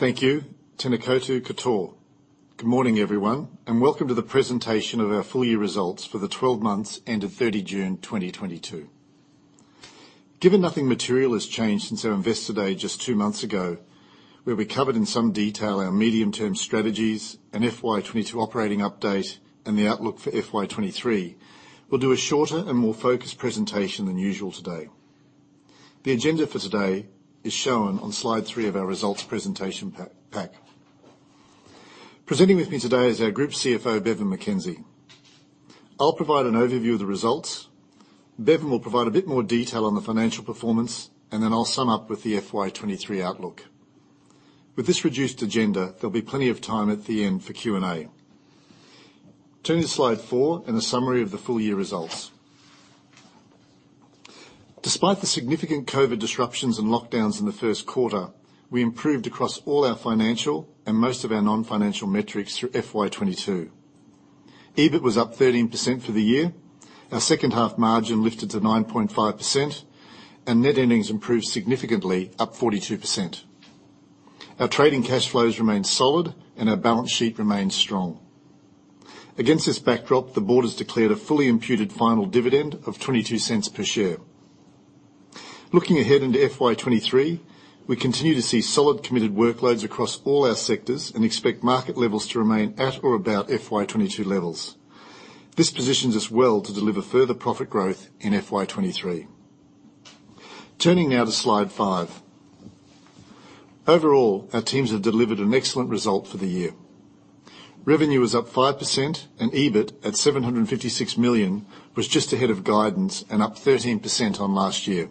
Thank you. Tēnā koutou katoa. Good morning, everyone, and welcome to the presentation of our full year results for the twelve months ended 30 June 2022. Given nothing material has changed since our Investor Day just 2 months ago, where we covered in some detail our medium-term strategies and FY 2022 operating update and the outlook for FY 2023, we'll do a shorter and more focused presentation than usual today. The agenda for today is shown on slide 3 of our results presentation pack. Presenting with me today is our Group CFO, Bevan McKenzie. I'll provide an overview of the results, Bevan will provide a bit more detail on the financial performance, and then I'll sum up with the FY 2023 outlook. With this reduced agenda, there'll be plenty of time at the end for Q&A. Turning to slide 4 and a summary of the full year results. Despite the significant COVID disruptions and lockdowns in the first quarter, we improved across all our financial and most of our non-financial metrics through FY 2022. EBIT was up 13% for the year. Our second half margin lifted to 9.5%. Net earnings improved significantly, up 42%. Our trading cash flows remained solid and our balance sheet remained strong. Against this backdrop, the board has declared a fully imputed final dividend of 0.22 per share. Looking ahead into FY 2023, we continue to see solid committed workloads across all our sectors and expect market levels to remain at or about FY 2022 levels. This positions us well to deliver further profit growth in FY 2023. Turning now to slide 5. Overall, our teams have delivered an excellent result for the year. Revenue was up 5% and EBIT at 756 million was just ahead of guidance and up 13% on last year.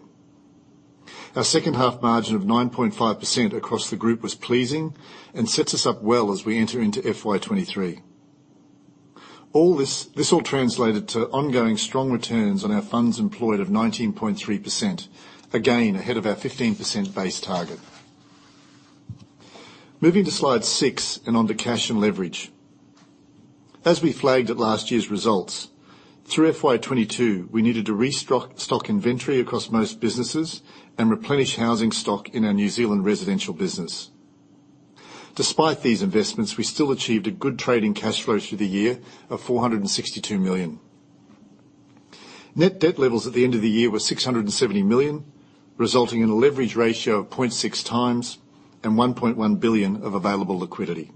Our second half margin of 9.5% across the group was pleasing and sets us up well as we enter into FY 2023. This all translated to ongoing strong returns on our funds employed of 19.3%, again ahead of our 15% base target. Moving to slide 6 and onto cash and leverage. As we flagged at last year's results, through FY 2022, we needed to restock stock inventory across most businesses and replenish housing stock in our New Zealand residential business. Despite these investments, we still achieved a good trading cash flow through the year of 462 million. Net debt levels at the end of the year were 670 million, resulting in a leverage ratio of 0.6x and 1.1 billion of available liquidity.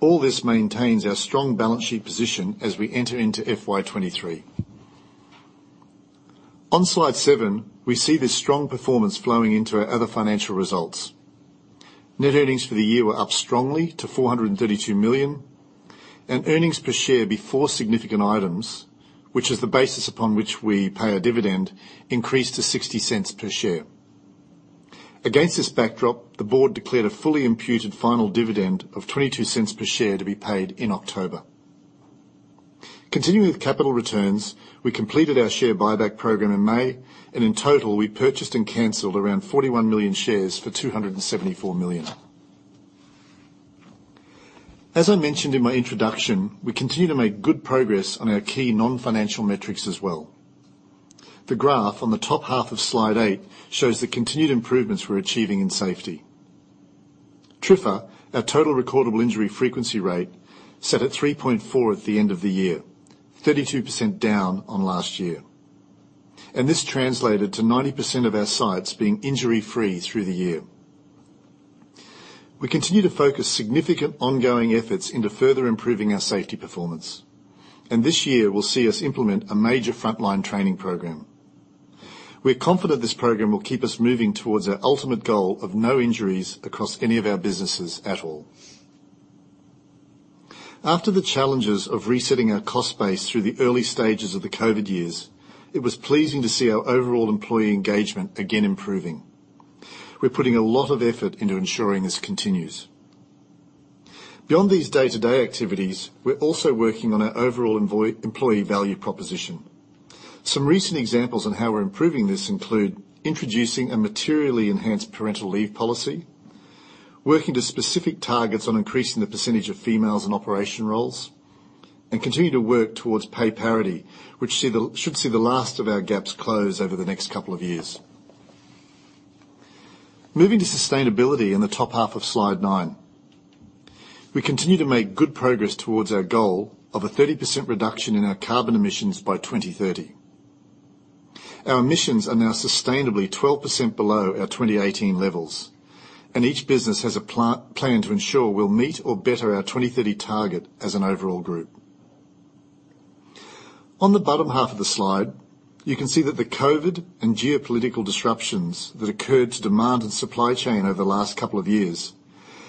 All this maintains our strong balance sheet position as we enter into FY 2023. On slide seven, we see this strong performance flowing into our other financial results. Net earnings for the year were up strongly to 432 million, and earnings per share before significant items, which is the basis upon which we pay our dividend, increased to 0.60 per share. Against this backdrop, the board declared a fully imputed final dividend of 0.22 per share to be paid in October. Continuing with capital returns, we completed our share buyback program in May, and in total, we purchased and canceled around 41 million shares for 274 million. As I mentioned in my introduction, we continue to make good progress on our key non-financial metrics as well. The graph on the top half of slide 8 shows the continued improvements we're achieving in safety. TRIFR, our total recordable injury frequency rate, sat at 3.4 at the end of the year, 32% down on last year. This translated to 90% of our sites being injury-free through the year. We continue to focus significant ongoing efforts into further improving our safety performance, and this year will see us implement a major frontline training program. We're confident this program will keep us moving towards our ultimate goal of no injuries across any of our businesses at all. After the challenges of resetting our cost base through the early stages of the COVID years, it was pleasing to see our overall employee engagement again improving. We're putting a lot of effort into ensuring this continues. Beyond these day-to-day activities, we're also working on our overall employee value proposition. Some recent examples on how we're improving this include introducing a materially enhanced parental leave policy, working to specific targets on increasing the percentage of females in operational roles, and continue to work towards pay parity, which should see the last of our gaps close over the next couple of years. Moving to sustainability in the top half of slide nine. We continue to make good progress towards our goal of a 30% reduction in our carbon emissions by 2030. Our emissions are now sustainably 12% below our 2018 levels, and each business has a plan to ensure we'll meet or better our 2030 target as an overall group. On the bottom half of the slide, you can see that the COVID and geopolitical disruptions that occurred to demand and supply chain over the last couple of years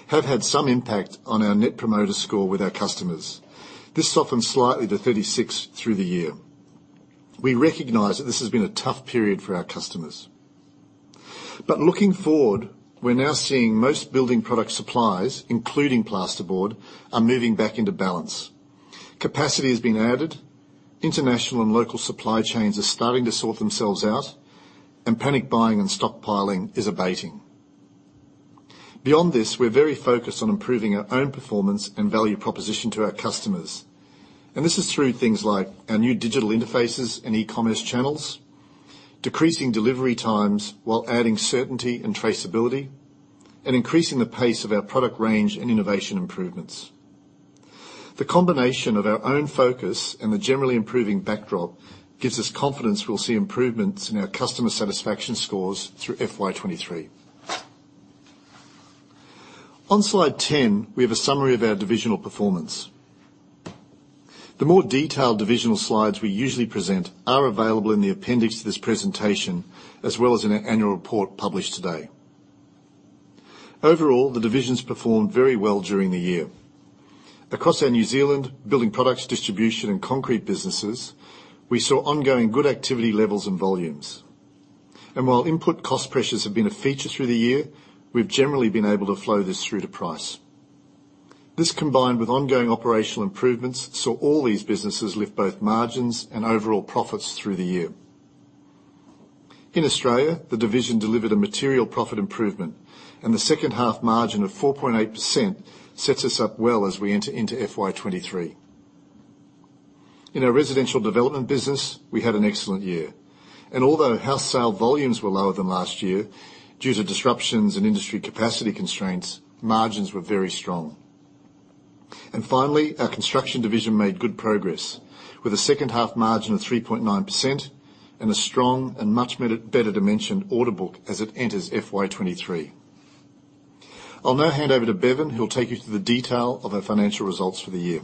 have had some impact on our net promoter score with our customers. This softened slightly to 36 through the year. We recognize that this has been a tough period for our customers. Looking forward, we're now seeing most building product supplies, including plasterboard, are moving back into balance. Capacity is being added, international and local supply chains are starting to sort themselves out, and panic buying and stockpiling is abating. Beyond this, we're very focused on improving our own performance and value proposition to our customers. This is through things like our new digital interfaces and e-commerce channels, decreasing delivery times while adding certainty and traceability and increasing the pace of our product range and innovation improvements. The combination of our own focus and the generally improving backdrop gives us confidence we'll see improvements in our customer satisfaction scores through FY 2023. On slide 10, we have a summary of our divisional performance. The more detailed divisional slides we usually present are available in the appendix of this presentation, as well as in our annual report published today. Overall, the divisions performed very well during the year. Across our New Zealand building products, distribution, and concrete businesses, we saw ongoing good activity levels and volumes. While input cost pressures have been a feature through the year, we've generally been able to flow this through to price. This, combined with ongoing operational improvements, saw all these businesses lift both margins and overall profits through the year. In Australia, the division delivered a material profit improvement, and the second-half margin of 4.8% sets us up well as we enter into FY 2023. In our residential development business, we had an excellent year. Although house sale volumes were lower than last year due to disruptions in industry capacity constraints, margins were very strong. Finally, our construction division made good progress with a second half margin of 3.9% and a strong and much better dimension order book as it enters FY 2023. I'll now hand over to Bevan, who will take you through the detail of our financial results for the year.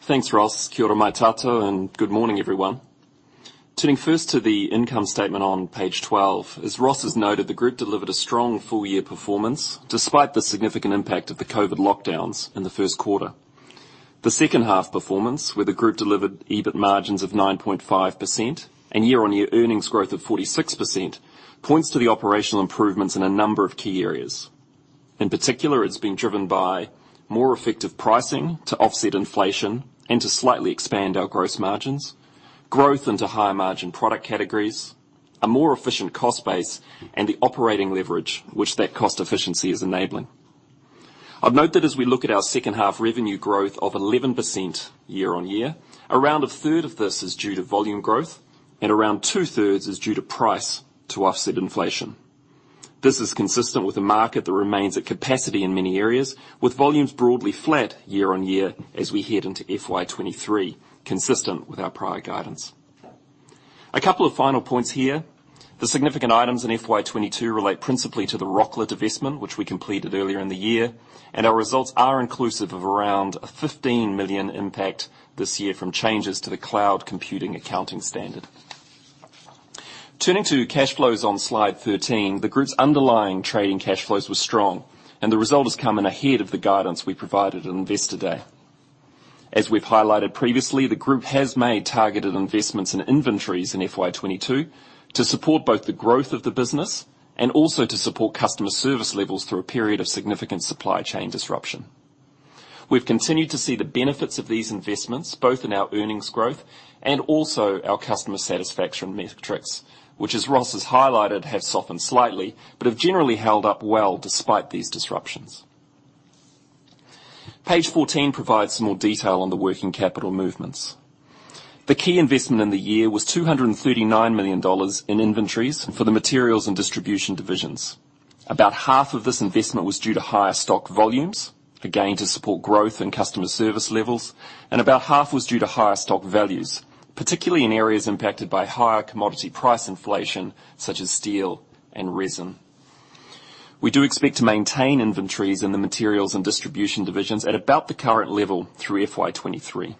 Thanks, Ross. Kia ora mai tatou, and good morning, everyone. Turning first to the income statement on page 12. As Ross has noted, the group delivered a strong full year performance despite the significant impact of the COVID lockdowns in the first quarter. The second half performance where the group delivered EBIT margins of 9.5% and year-on-year earnings growth of 46 percentage points to the operational improvements in a number of key areas. In particular, it's been driven by more effective pricing to offset inflation and to slightly expand our gross margins, growth into higher margin product categories, a more efficient cost base, and the operating leverage which that cost efficiency is enabling. I'd note that as we look at our second half revenue growth of 11% year-on-year, around 1/3 of this is due to volume growth and around 2/3 is due to price to offset inflation. This is consistent with the market that remains at capacity in many areas, with volumes broadly flat year-on-year as we head into FY 2023, consistent with our prior guidance. A couple of final points here. The significant items in FY 2022 relate principally to the Rocla investment, which we completed earlier in the year, and our results are inclusive of around 15 million impact this year from changes to the cloud computing accounting standard. Turning to cash flows on slide 13. The group's underlying trading cash flows were strong, and the result has come in ahead of the guidance we provided on Investor Day. As we've highlighted previously, the group has made targeted investments in inventories in FY 2022 to support both the growth of the business and also to support customer service levels through a period of significant supply chain disruption. We've continued to see the benefits of these investments both in our earnings growth and also our customer satisfaction metrics, which, as Ross has highlighted, have softened slightly, but have generally held up well despite these disruptions. Page 14 provides some more detail on the working capital movements. The key investment in the year was 239 million dollars in inventories for the materials and distribution divisions. About half of this investment was due to higher stock volumes, again, to support growth in customer service levels, and about half was due to higher stock values, particularly in areas impacted by higher commodity price inflation such as steel and resin. We do expect to maintain inventories in the materials and distribution divisions at about the current level through FY 2023.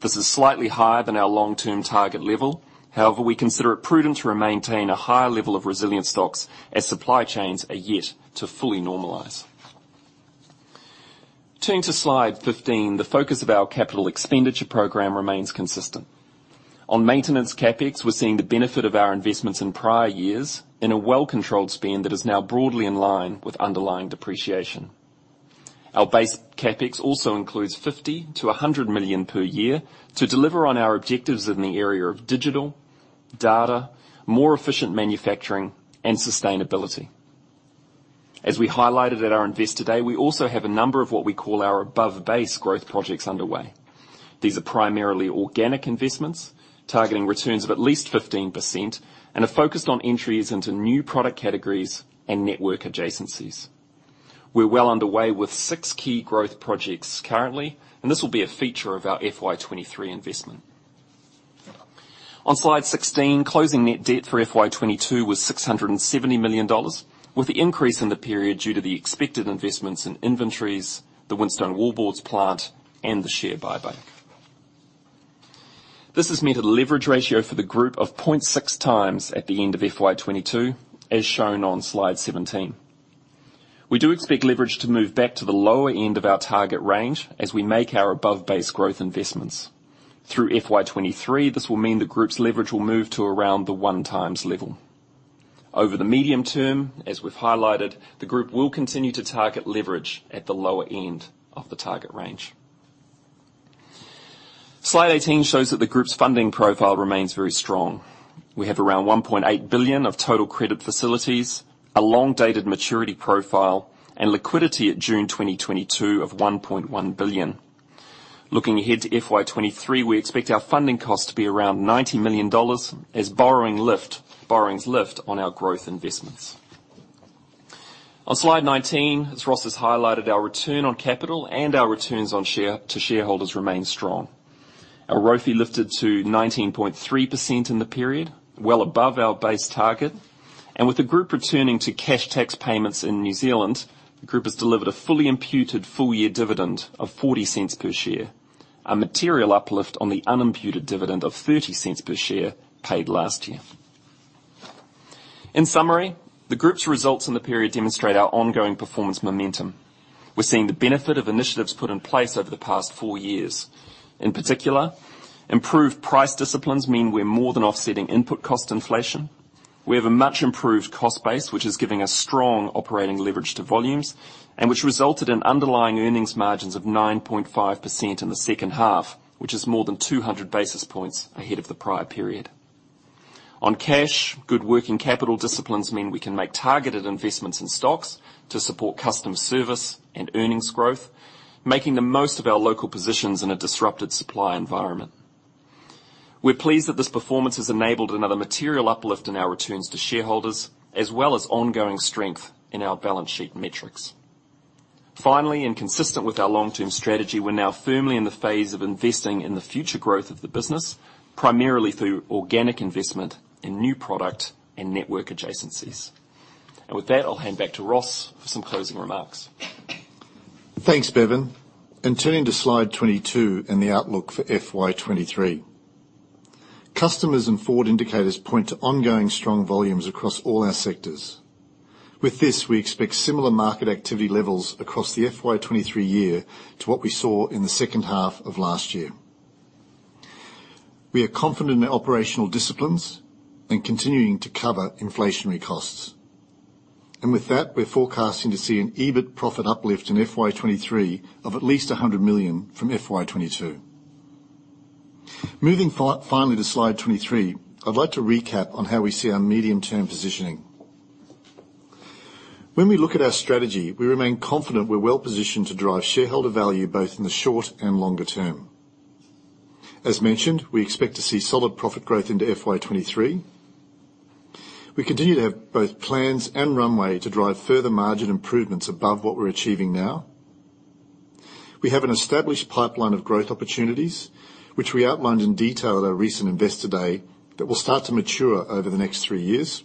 This is slightly higher than our long-term target level. However, we consider it prudent to maintain a higher level of resilient stocks as supply chains are yet to fully normalize. Turning to slide 15. The focus of our capital expenditure program remains consistent. On maintenance CapEx, we're seeing the benefit of our investments in prior years in a well-controlled spend that is now broadly in line with underlying depreciation. Our base CapEx also includes 50 million-100 million per year to deliver on our objectives in the area of digital, data, more efficient manufacturing, and sustainability. As we highlighted at our Investor Day, we also have a number of what we call our above-base growth projects underway. These are primarily organic investments targeting returns of at least 15% and are focused on entries into new product categories and network adjacencies. We're well underway with 6 key growth projects currently, and this will be a feature of our FY 2023 investment. On slide 16, closing net debt for FY 2022 was 670 million dollars, with the increase in the period due to the expected investments in inventories, the Winstone Wallboards plant, and the share buyback. This has meant a leverage ratio for the group of 0.6x at the end of FY 2022, as shown on slide 17. We do expect leverage to move back to the lower end of our target range as we make our above-base growth investments. Through FY 2023, this will mean the group's leverage will move to around the 1x level. Over the medium term, as we've highlighted, the group will continue to target leverage at the lower end of the target range. Slide 18 shows that the group's funding profile remains very strong. We have around 1.8 billion of total credit facilities, a long-dated maturity profile, and liquidity at June 2022 of 1.1 billion. Looking ahead to FY 2023, we expect our funding cost to be around 90 million dollars as borrowings lift on our growth investments. On slide 19, as Ross has highlighted, our return on capital and our returns to shareholders remain strong. Our ROFE lifted to 19.3% in the period, well above our base target. With the group returning to cash tax payments in New Zealand, the group has delivered a fully imputed full year dividend of 0.40 per share, a material uplift on the unimputed dividend of 0.30 per share paid last year. In summary, the group's results in the period demonstrate our ongoing performance momentum. We're seeing the benefit of initiatives put in place over the past 4 years. In particular, improved price disciplines mean we're more than offsetting input cost inflation. We have a much improved cost base, which is giving us strong operating leverage to volumes, and which resulted in underlying earnings margins of 9.5% in the second half, which is more than 200 basis points ahead of the prior period. On cash, good working capital disciplines mean we can make targeted investments in stocks to support customer service and earnings growth, making the most of our local positions in a disrupted supply environment. We're pleased that this performance has enabled another material uplift in our returns to shareholders, as well as ongoing strength in our balance sheet metrics. Finally, and consistent with our long-term strategy, we're now firmly in the phase of investing in the future growth of the business, primarily through organic investment in new product and network adjacencies. With that, I'll hand back to Ross for some closing remarks. Thanks, Bevan. Turning to slide 22 and the outlook for FY 2023. Customers and forward indicators point to ongoing strong volumes across all our sectors. With this, we expect similar market activity levels across the FY 2023 year to what we saw in the second half of last year. We are confident in our operational disciplines and continuing to cover inflationary costs. With that, we're forecasting to see an EBIT profit uplift in FY 2023 of at least 100 million from FY 2022. Moving finally to slide 23, I'd like to recap on how we see our medium-term positioning. When we look at our strategy, we remain confident we're well positioned to drive shareholder value both in the short and longer term. As mentioned, we expect to see solid profit growth into FY 2023. We continue to have both plans and runway to drive further margin improvements above what we're achieving now. We have an established pipeline of growth opportunities, which we outlined in detail at our recent Investor Day, that will start to mature over the next three years.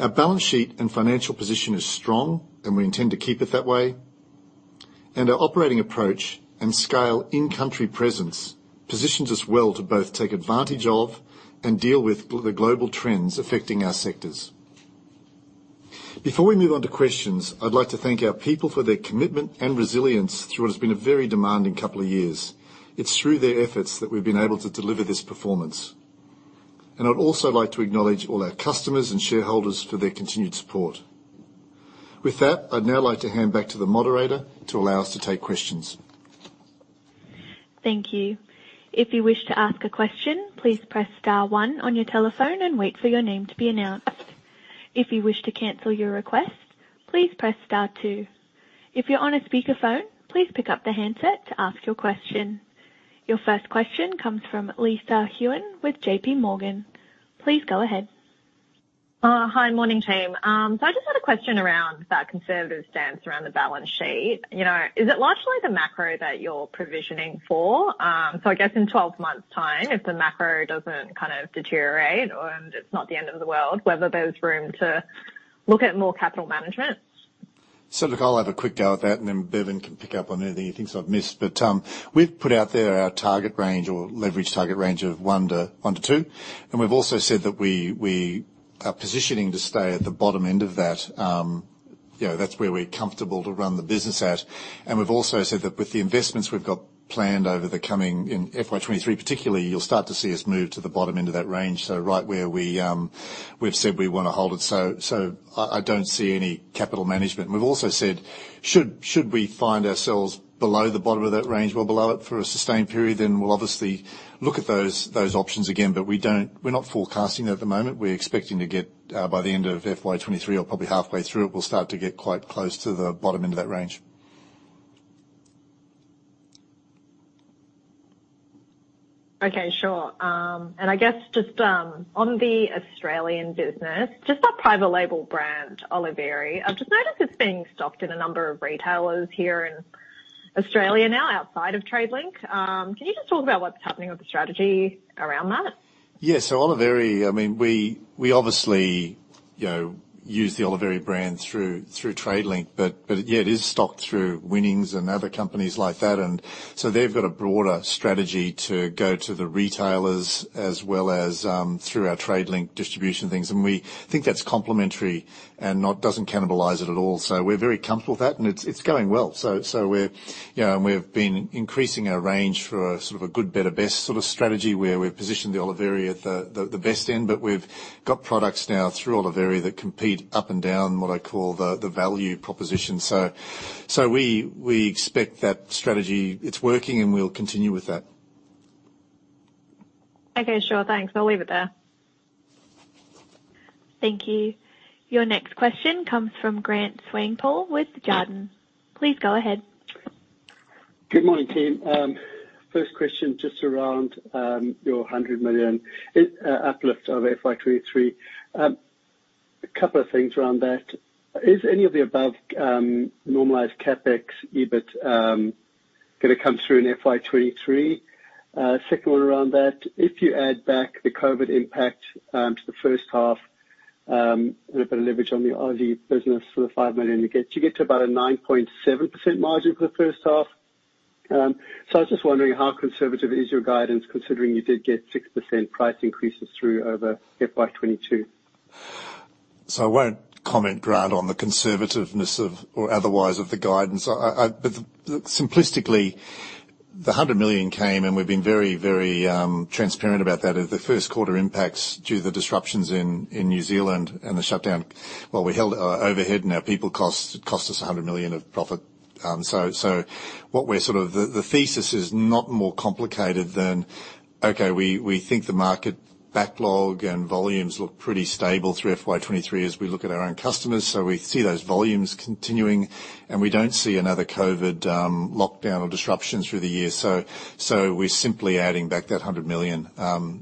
Our balance sheet and financial position is strong, and we intend to keep it that way. Our operating approach and scale in-country presence positions us well to both take advantage of and deal with the global trends affecting our sectors. Before we move on to questions, I'd like to thank our people for their commitment and resilience through what has been a very demanding couple of years. It's through their efforts that we've been able to deliver this performance. I'd also like to acknowledge all our customers and shareholders for their continued support. With that, I'd now like to hand back to the moderator to allow us to take questions. Thank you. If you wish to ask a question, please press *1 on your telephone and wait for your name to be announced. If you wish to cancel your request, please press *2 If you're on a speakerphone, please pick up the handset to ask your question. Your first question comes from Lisa Huynh with JP Morgan. Please go ahead. Hi, morning, team. I just had a question around that conservative stance around the balance sheet. You know, is it largely the macro that you're provisioning for? I guess in 12 months' time, if the macro doesn't kind of deteriorate and it's not the end of the world, whether there's room to look at more capital management. Look, I'll have a quick go at that, and then Bevan can pick up on anything he thinks I've missed. We've put out there our target range or leverage target range of 1-2, and we've also said that we are positioning to stay at the bottom end of that. You know, that's where we're comfortable to run the business at. We've also said that with the investments we've got planned over the coming, in FY 2023 particularly, you'll start to see us move to the bottom end of that range. Right where we've said we wanna hold it. I don't see any capital management. We've also said, should we find ourselves below the bottom of that range, well below it for a sustained period, then we'll obviously look at those options again. We don't, we're not forecasting that at the moment. We're expecting to get by the end of FY 2023 or probably halfway through it, we'll start to get quite close to the bottom end of that range. Okay, sure. I guess just on the Australian business, just that private label brand, Oliveri. I've just noticed it's being stocked in a number of retailers here in Australia now outside of Tradelink. Can you just talk about what's happening with the strategy around that? Yeah. Oliveri, I mean, we obviously, you know, use the Oliveri brand through Tradelink, but yeah, it is stocked through Winning Appliances and other companies like that. They've got a broader strategy to go to the retailers as well as through our Tradelink distribution things. We think that's complementary and doesn't cannibalize it at all. We're very comfortable with that, and it's going well. We're, you know, and we've been increasing our range for a sort of good better best sort of strategy, where we've positioned the Oliveri at the best end. We've got products now through Oliveri that compete up and down what I call the value proposition. We expect that strategy, it's working, and we'll continue with that. Okay, sure. Thanks. I'll leave it there. Thank you. Your next question comes from Grant Swanepoel with Jarden. Please go ahead. Good morning, team. First question, just around your 100 million uplift of FY 2023. A couple of things around that. Is any of the above normalized CapEx EBIT gonna come through in FY 2023? Second one around that, if you add back the COVID impact to the first half, a little bit of leverage on the Aussie business for the 5 million you get, you get to about a 9.7% margin for the first half. I was just wondering how conservative is your guidance considering you did get 6% price increases throughout FY 2022. I won't comment, Grant, on the conservativeness of or otherwise of the guidance. Simplistically, the 100 million came, and we've been very transparent about that, is the first quarter impacts due to the disruptions in New Zealand and the shutdown, while we held our overhead and our people costs, it cost us 100 million of profit. What we're sort of The thesis is not more complicated than, okay, we think the market backlog and volumes look pretty stable through FY 2023 as we look at our own customers. We see those volumes continuing, and we don't see another COVID lockdown or disruption through the year. We're simply adding back that 100 million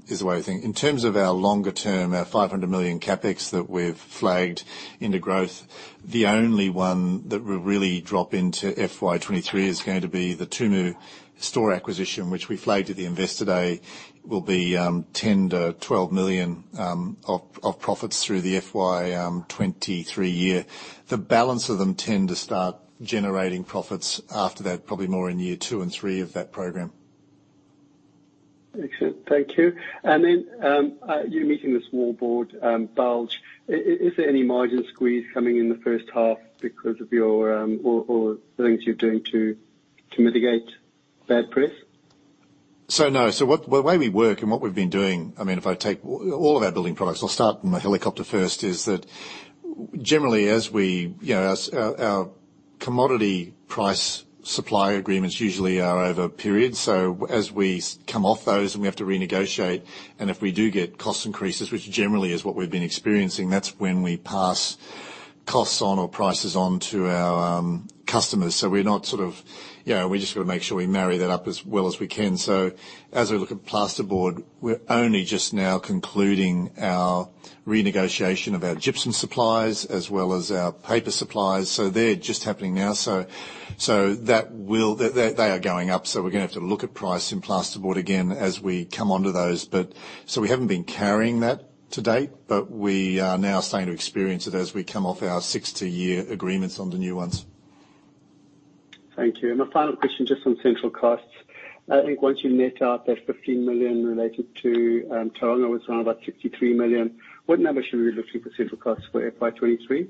is the way I think. In terms of our longer term, our 500 million CapEx that we've flagged into growth, the only one that will really drop into FY 2023 is going to be the Tumu store acquisition, which we flagged at the Investor Day, will be ten to twelve million of profits through the FY 2023 year. The balance of them tend to start generating profits after that, probably more in year 2 and 3 of that program. Excellent. Thank you. You're meeting this Winstone Wallboards bulge. Is there any margin squeeze coming in the first half because of your or the things you're doing to mitigate bad press? No. The way we work and what we've been doing, I mean, if I take all of our building products, I'll start from the helicopter first, is that generally as we, you know, as our commodity price supply agreements usually are over periods. As we come off those and we have to renegotiate, and if we do get cost increases, which generally is what we've been experiencing, that's when we pass costs on or prices on to our customers. We're not. You know, we just gotta make sure we marry that up as well as we can. As we look at plasterboard, we're only just now concluding our renegotiation of our gypsum suppliers as well as our paper suppliers. They're just happening now. That will. They are going up, so we're gonna have to look at price in plasterboard again as we come onto those. We haven't been carrying that to date, but we are now starting to experience it as we come off our fixed-year agreements on the new ones. Thank you. My final question, just on central costs. I think once you net out that 15 million related to Tauranga, it's around about 53 million. What number should we be looking for central costs for FY 2023?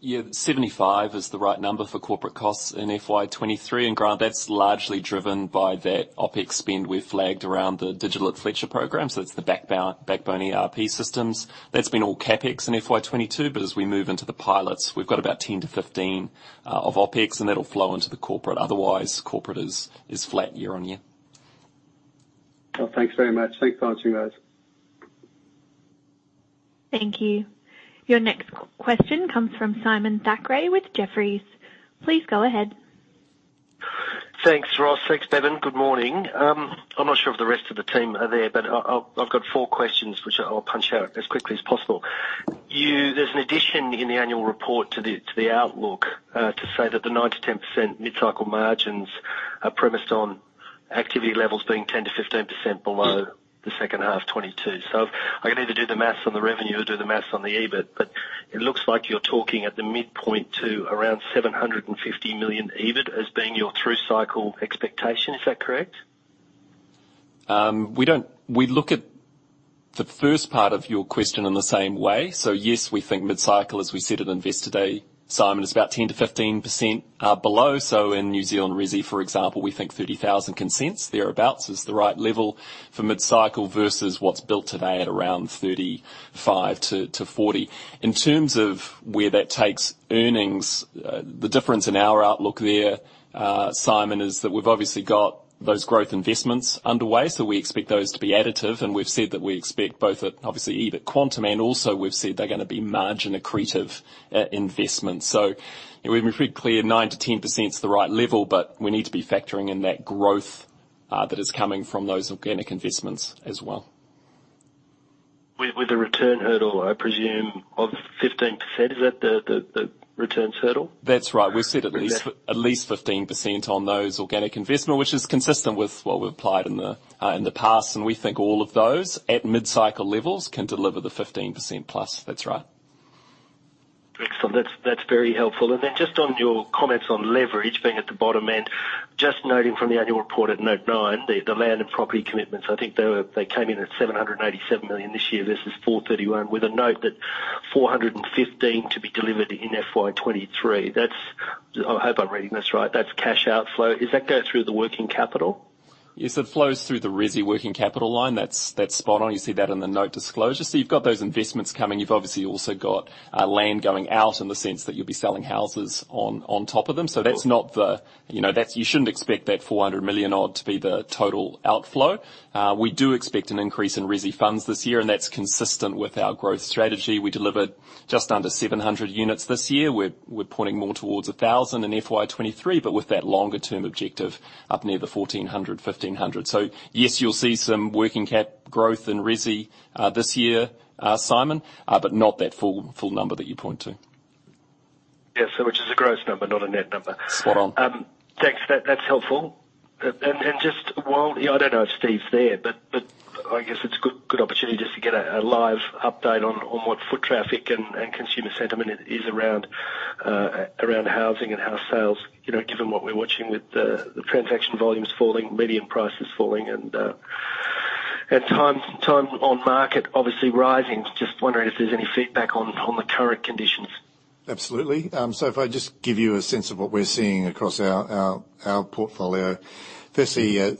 Yeah. 75 is the right number for corporate costs in FY 2023. Grant, that's largely driven by that OpEx spend we flagged around the Digital@Fletcher program, so it's the backbone ERP systems. That's been all CapEx in FY 2022, but as we move into the pilots, we've got about 10-15 of OpEx, and that'll flow into the corporate. Otherwise, corporate is flat year-on-year. Well, thanks very much. Thanks for answering those. Thank you. Your next question comes from Simon Thackray with Jefferies. Please go ahead. Thanks, Ross. Thanks, Bevan. Good morning. I'm not sure if the rest of the team are there, but I've got four questions which I'll punch out as quickly as possible. There's an addition in the annual report to the outlook to say that the 9%-10% mid-cycle margins are premised on activity levels being 10%-15% below the second half 2022. I can either do the math on the revenue or do the math on the EBIT, but it looks like you're talking at the midpoint to around 750 million EBIT as being your through cycle expectation. Is that correct? We look at the first part of your question in the same way. Yes, we think mid-cycle, as we said at Investor Day, Simon, is about 10%-15% below. In New Zealand Resi, for example, we think 30,000 consents thereabout is the right level for mid-cycle versus what's built today at around 35,000-40,000. In terms of where that takes earnings, the difference in our outlook there, Simon, is that we've obviously got those growth investments underway, so we expect those to be additive. We've said that we expect both at, obviously, EBIT quantum, and also we've said they're gonna be margin accretive investments. You know, we've been pretty clear 9%-10%'s the right level, but we need to be factoring in that growth that is coming from those organic investments as well. With the return hurdle, I presume, of 15%, is that the returns hurdle? That's right. We said at least fifteen percent on those organic investment, which is consistent with what we've applied in the past. We think all of those at mid-cycle levels can deliver the 15%+. That's right. Excellent. That's very helpful. Just on your comments on leverage being at the bottom end, just noting from the annual report at note nine, the land and property commitments, I think they came in at 787 million this year versus 431 million, with a note that 415 to be delivered in FY 2023. That's. I hope I'm reading this right. That's cash outflow. Does that go through the working capital? Yes, it flows through the resi working capital line. That's spot on. You see that in the note disclosure. You've got those investments coming. You've obviously also got land going out in the sense that you'll be selling houses on top of them. That's not the. You know, that's. You shouldn't expect that 400 million odd to be the total outflow. We do expect an increase in resi funds this year, and that's consistent with our growth strategy. We delivered just under 700 units this year. We're pointing more towards 1,000 in FY 2023, but with that longer-term objective up near the 1,400-1,500. Yes, you'll see some working cap growth in resi this year, Simon, but not that full number that you point to. Yes. Which is a gross number, not a net number. Spot on. Thanks. That's helpful. Just while, you know, I don't know if Steve's there, but I guess it's a good opportunity just to get a live update on what foot traffic and consumer sentiment is around housing and house sales, you know, given what we're watching with the transaction volumes falling, median prices falling and time on market obviously rising. Just wondering if there's any feedback on the current conditions. Absolutely. If I just give you a sense of what we're seeing across our portfolio. Firstly,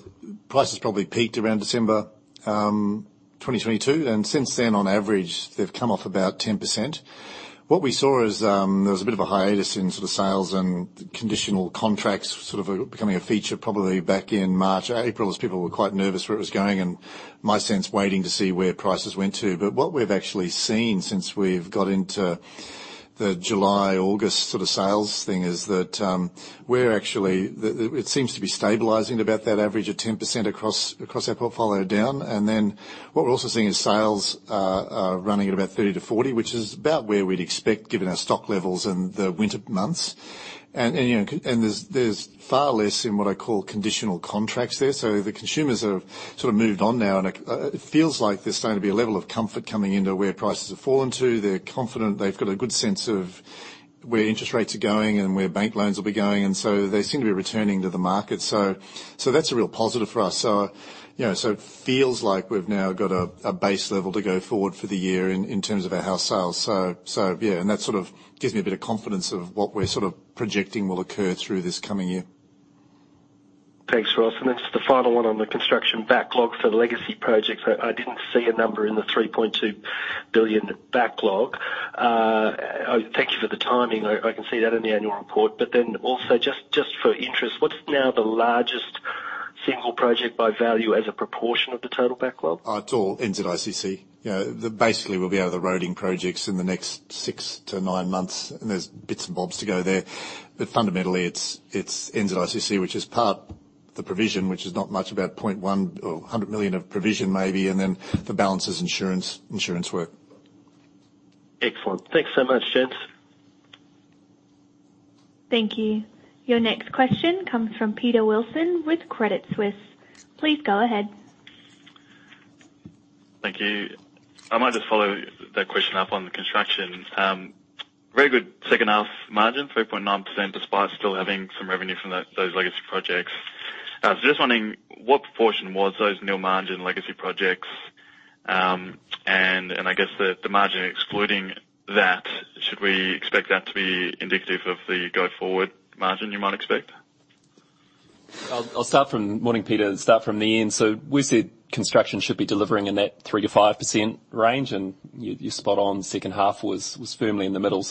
prices probably peaked around December 2022, and since then, on average, they've come off about 10%. What we saw is there was a bit of a hiatus in sort of sales and conditional contracts, sort of becoming a feature probably back in March, April, as people were quite nervous where it was going and my sense, waiting to see where prices went to. What we've actually seen since we've got into the July, August sort of sales thing is that it seems to be stabilizing about that average of 10% across our portfolio down. What we're also seeing is sales are running at about 30-40, which is about where we'd expect given our stock levels in the winter months. You know, there's far less in what I call conditional contracts there. The consumers have sort of moved on now and it feels like there's starting to be a level of comfort coming into where prices have fallen to. They're confident, they've got a good sense of where interest rates are going and where bank loans will be going, and so they seem to be returning to the market. That's a real positive for us. You know, it feels like we've now got a base level to go forward for the year in terms of our house sales. Yeah, that sort of gives me a bit of confidence of what we're sort of projecting will occur through this coming year. Thanks, Ross. Just the final one on the construction backlog for the legacy projects. I didn't see a number in the 3.2 billion backlog. Thank you for the timing. I can see that in the annual report. Also just for interest, what's now the largest single project by value as a proportion of the total backlog? It's all NZICC. Yeah, basically we'll be out of the roading projects in the next 6-9 months, and there's bits and bobs to go there. Fundamentally it's NZICC, which is part of the provision, which is not much, about 0.1 or 100 million of provision maybe, and then the balance is insurance work. Excellent. Thanks so much, gents. Thank you. Your next question comes from Peter Wilson with Credit Suisse. Please go ahead. Thank you. I might just follow that question up on the construction. Very good second half margin, 3.9%, despite still having some revenue from those legacy projects. I was just wondering what proportion was those nil margin legacy projects, and I guess the margin excluding that, should we expect that to be indicative of the go forward margin you might expect? I'll start from. Morning, Peter. Start from the end. We said construction should be delivering a net 3%-5% range and you're spot on, second half was firmly in the middle.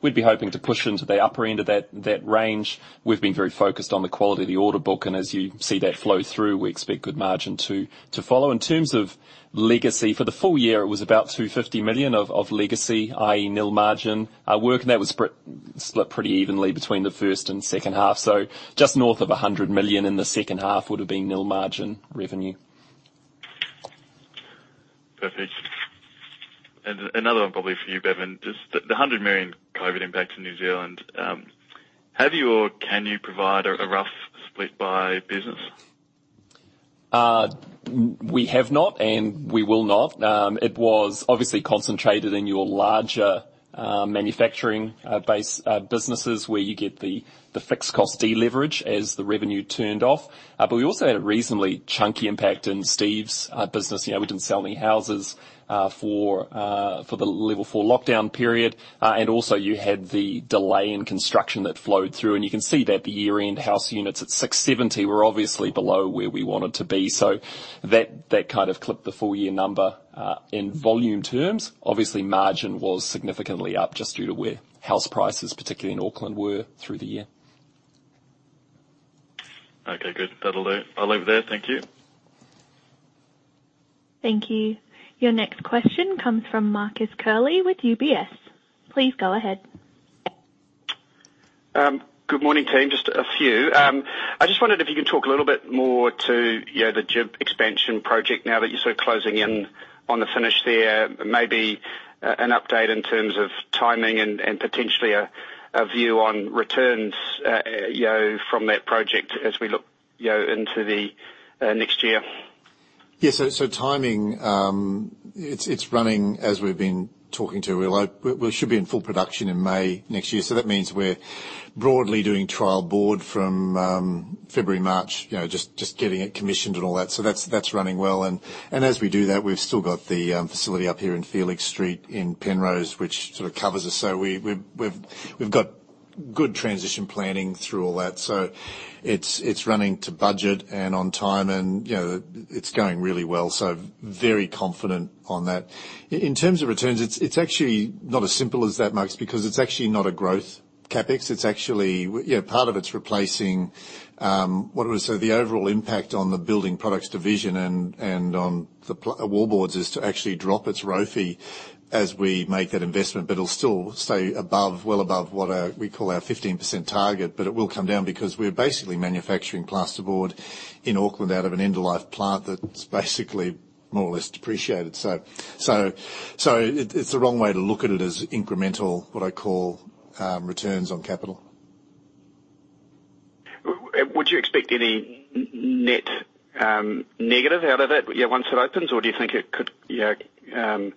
We'd be hoping to push into the upper end of that range. We've been very focused on the quality of the order book, and as you see that flow through, we expect good margin to follow. In terms of legacy, for the full year it was about 250 million of legacy, i.e. nil margin work, and that was split pretty evenly between the first and second half. Just north of a hundred million in the second half would've been nil margin revenue. Perfect. Another one probably for you, Bevan. Just the 100 million COVID impact in New Zealand. Have you or can you provide a rough split by business? We have not and we will not. It was obviously concentrated in your larger manufacturing base businesses where you get the fixed cost deleverage as the revenue turned off. But we also had a reasonably chunky impact in Steve's business. You know, we didn't sell any houses for the level four lockdown period. You had the delay in construction that flowed through, and you can see that the year-end house units at 670 were obviously below where we wanted to be. That kind of clipped the full year number in volume terms. Obviously margin was significantly up just due to where house prices, particularly in Auckland, were through the year. Okay, good. That'll do. I'll leave it there. Thank you. Thank you. Your next question comes from Marcus Curley with UBS. Please go ahead. Good morning team. Just a few. I just wondered if you could talk a little bit more to, you know, the GIB expansion project now that you're sort of closing in on the finish there. Maybe an update in terms of timing and potentially a view on returns, you know, from that project as we look, you know, into the next year. Yeah. Timing, it's running as we've been talking about. We should be in full production in May next year, so that means we're broadly doing trial board from February, March, you know, just getting it commissioned and all that. That's running well and as we do that, we've still got the facility up here in Felix Street in Penrose, which sort of covers us. We've got good transition planning through all that. It's running to budget and on time and you know, it's going really well. Very confident on that. In terms of returns, it's actually not as simple as that, Marcus, because it's actually not a growth CapEx. It's actually... Well, yeah, part of it's replacing. So the overall impact on the building products division and on the wallboards is to actually drop its ROFE as we make that investment. It'll still stay above, well above what we call our 15% target, but it will come down because we're basically manufacturing plasterboard in Auckland out of an end-of-life plant that's basically more or less depreciated. It's the wrong way to look at it as incremental, what I call, returns on capital. Would you expect any net, yeah, negative out of it, yeah, once it opens? Or do you think it could, yeah, break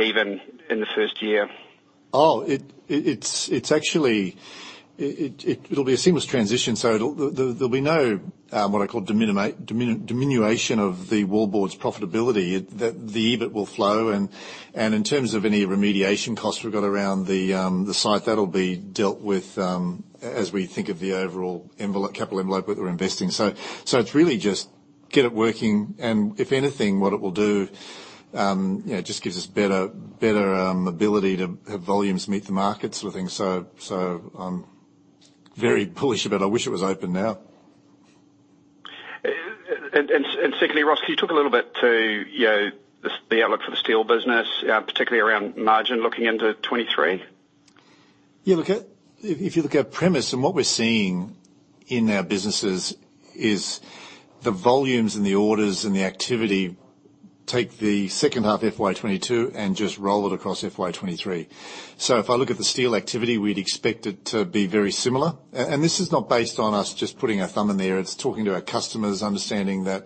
even in the first year? It's actually it'll be a seamless transition, there'll be no what I call diminution of the wallboard's profitability. The EBIT will flow. In terms of any remediation costs we've got around the site, that'll be dealt with as we think of the overall envelope, capital envelope that we're investing. It's really just get it working, and if anything, what it will do, you know, just gives us better ability to have volumes meet the market sort of thing. I'm very bullish about it. I wish it was open now. Secondly, Ross, can you talk a little bit about, you know, the outlook for the steel business, particularly around margin looking into 2023? Look, if you look at premise and what we're seeing in our businesses is the volumes and the orders and the activity, take the second half FY 2022 and just roll it across FY 2023. If I look at the steel activity, we'd expect it to be very similar. And this is not based on us just putting our thumb in the air. It's talking to our customers, understanding that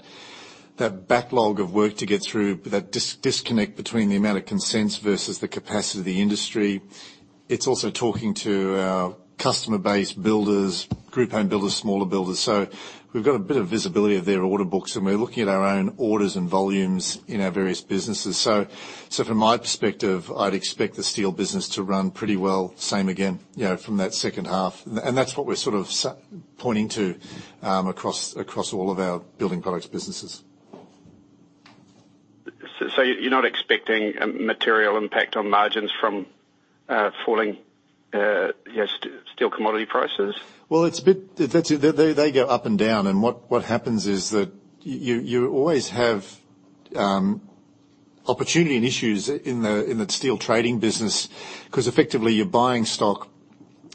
backlog of work to get through, that disconnect between the amount of consents versus the capacity of the industry. It's also talking to our customer base builders, group home builders, smaller builders. We've got a bit of visibility of their order books, and we're looking at our own orders and volumes in our various businesses. From my perspective, I'd expect the steel business to run pretty well, same again, you know, from that second half. That's what we're sort of pointing to across all of our building products businesses. You're not expecting a material impact on margins from falling steel commodity prices? That's it. They go up and down. What happens is that you always have opportunity and issues in the steel trading business because effectively you're buying stock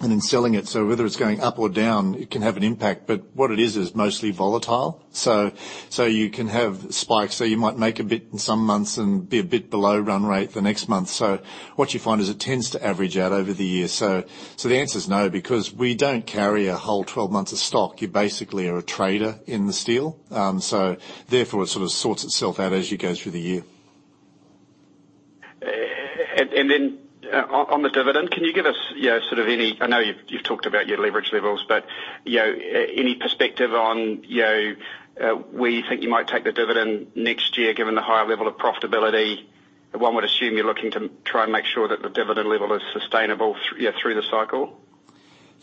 and then selling it. Whether it's going up or down, it can have an impact. What it is is mostly volatile. You can have spikes. You might make a bit in some months and be a bit below run rate the next month. What you find is it tends to average out over the year. The answer is no, because we don't carry a whole 12 months of stock. You basically are a trader in the steel. Therefore it sort of sorts itself out as you go through the year. On the dividend, can you give us, you know, sort of any I know you've talked about your leverage levels, but, you know, any perspective on, you know, where you think you might take the dividend next year, given the higher level of profitability? One would assume you're looking to try and make sure that the dividend level is sustainable through the cycle.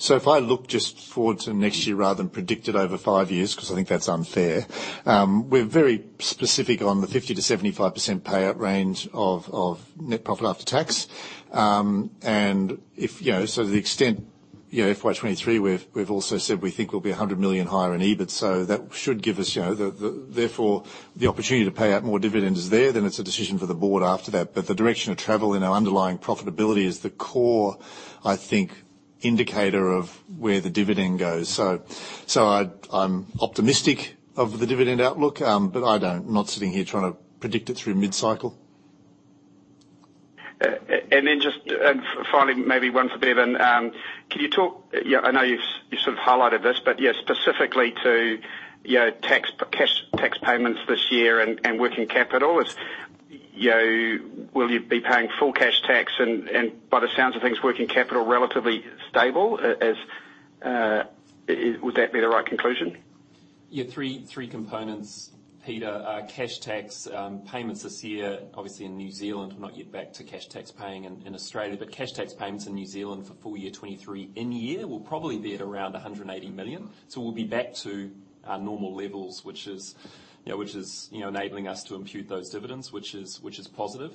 If I look just forward to next year rather than predict it over five years, because I think that's unfair, we're very specific on the 50%-75% payout range of net profit after tax. If you know, to the extent, you know, FY 2023, we've also said we think we'll be 100 million higher in EBIT. That should give us, you know, the. Therefore, the opportunity to pay out more dividends is there, then it's a decision for the board after that. The direction of travel in our underlying profitability is the core, I think, indicator of where the dividend goes. I'm optimistic of the dividend outlook, but I'm not sitting here trying to predict it through mid-cycle. Just finally, maybe one for Bevan. Can you talk, you know, I know you've sort of highlighted this, but just specifically to cash tax payments this year and working capital. You know, will you be paying full cash tax and, by the sounds of things, working capital relatively stable, as is, would that be the right conclusion? Yeah, three components, Peter. Cash tax payments this year, obviously in New Zealand, not yet back to cash tax paying in Australia. Cash tax payments in New Zealand for full year 2023 in the year will probably be at around 180 million. We'll be back to our normal levels, which is, you know, enabling us to impute those dividends, which is positive.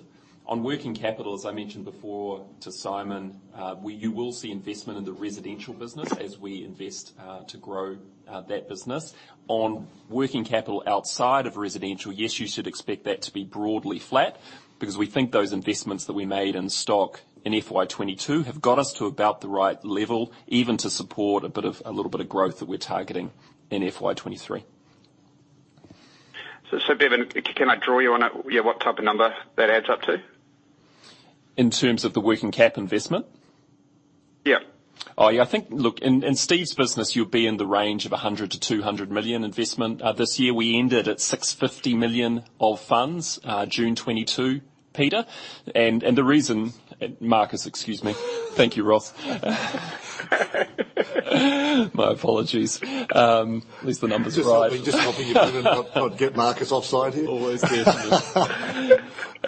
On working capital, as I mentioned before to Simon, you will see investment in the residential business as we invest to grow that business. On working capital outside of residential, yes, you should expect that to be broadly flat because we think those investments that we made in stock in FY 2022 have got us to about the right level, even to support a bit of, a little bit of growth that we're targeting in FY 2023. Bevan, can I draw you on, yeah, what type of number that adds up to? In terms of the working capital investment? Yeah. I think, look, in Steve's business, you'll be in the range of 100 million-200 million investment. This year we ended at 650 million of funds, June 2022, Peter. The reason. Marcus, excuse me. Thank you, Ross. My apologies. At least the numbers are right. Just helping your brother not get Marcus offside here. Always. Yeah.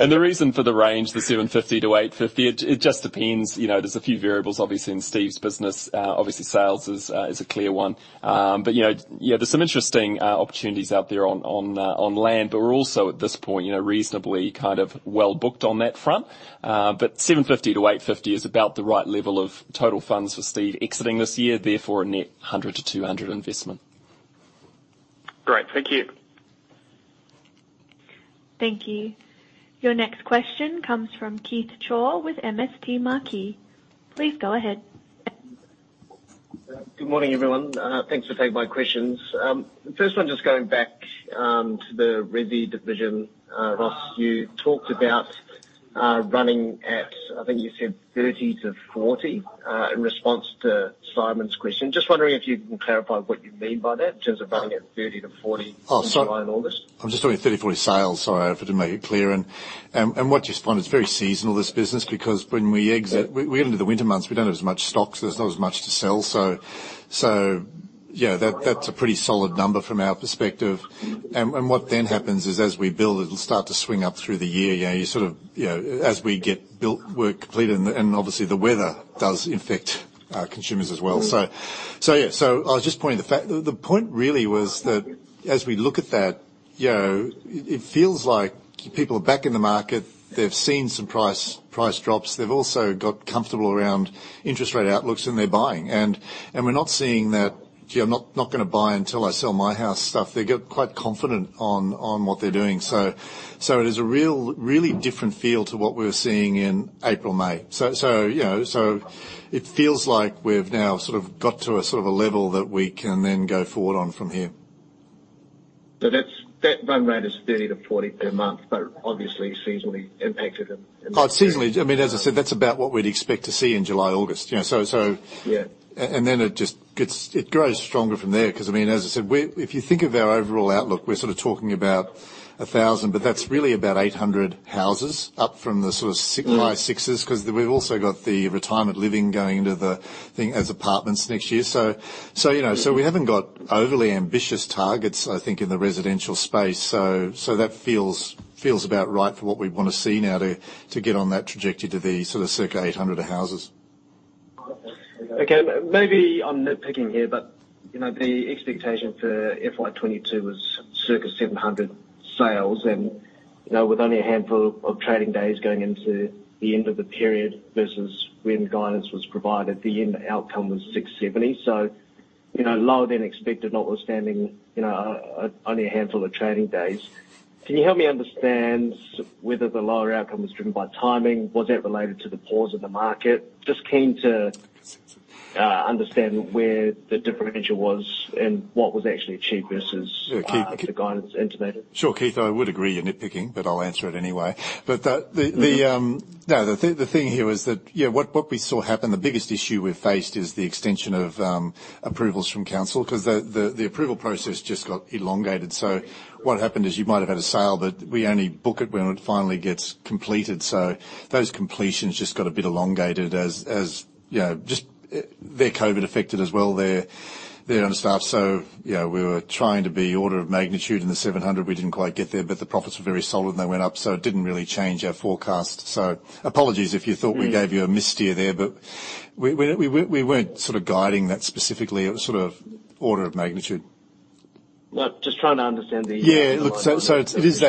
The reason for the range, the 750-850, it just depends. You know, there's a few variables, obviously, in Steve's business. Obviously, sales is a clear one. But you know, yeah, there's some interesting opportunities out there on land. But we're also at this point, you know, reasonably kind of well-booked on that front. But 750-850 is about the right level of total funds for Steve exiting this year, therefore a net 100-200 investment. Great. Thank you. Thank you. Your next question comes from Keith Chau with MST Marquee. Please go ahead. Good morning, everyone. Thanks for taking my questions. First one, just going back to the resi division. Ross, you talked about running at, I think you said 30-40, in response to Simon's question. Just wondering if you can clarify what you mean by that in terms of running at 30-40? Oh, so- In July and August. I'm just talking 30, 40 sales. Sorry if I didn't make it clear. What you find, it's very seasonal, this business, because we're into the winter months, we don't have as much stock, so there's not as much to sell. Yeah, that. Right. That's a pretty solid number from our perspective. Mm-hmm. What then happens is as we build, it'll start to swing up through the year. You know, as we get work completed, and obviously the weather does affect our consumers as well. I was just pointing out the fact, the point really was that as we look at that, you know, it feels like people are back in the market. They've seen some price drops. They've also got comfortable around interest rate outlooks, and they're buying. We're not seeing that, you know, I'm not gonna buy until I sell my house stuff. They get quite confident on what they're doing. It is a really different feel to what we were seeing in April/May. Yeah. It feels like we've now sort of got to a sort of a level that we can then go forward on from here. That run rate is 30-40 per month, but obviously seasonally impacted in. It's seasonal. I mean, as I said, that's about what we'd expect to see in July, August. You know, so. Yeah. It grows stronger from there 'cause, I mean, as I said, we, if you think of our overall outlook, we're sort of talking about 1,000, but that's really about 800 houses up from the sort of six- High sixes because we've also got the retirement living going into the thing as apartments next year. You know, we haven't got overly ambitious targets, I think, in the residential space. That feels about right for what we wanna see now to get on that trajectory to the sort of circa 800 houses. Okay. Maybe I'm nitpicking here, but you know, the expectation for FY 2022 was circa 700 sales and, you know, with only a handful of trading days going into the end of the period versus when guidance was provided, the end outcome was 670. You know, lower than expected, notwithstanding, you know, only a handful of trading days. Can you help me understand whether the lower outcome was driven by timing? Was that related to the pause of the market? Just keen to understand where the differential was and what was actually achieved versus. Yeah. Keith. the guidance intimated. Sure. Keith, I would agree you're nitpicking, but I'll answer it anyway. No, the thing here was that, you know, what we saw happen, the biggest issue we've faced is the extension of approvals from council, 'cause the approval process just got elongated. What happened is you might have had a sale, but we only book it when it finally gets completed. Those completions just got a bit elongated as you know, just. They're COVID affected as well. They're understaffed. You know, we were trying to be order of magnitude in the 700. We didn't quite get there, but the profits were very solid, and they went up, so it didn't really change our forecast. Apologies if you thought- We gave you a missteer there, but we weren't sort of guiding that specifically. It was sort of order of magnitude. Look, just trying to understand the. Yeah. Look, so there's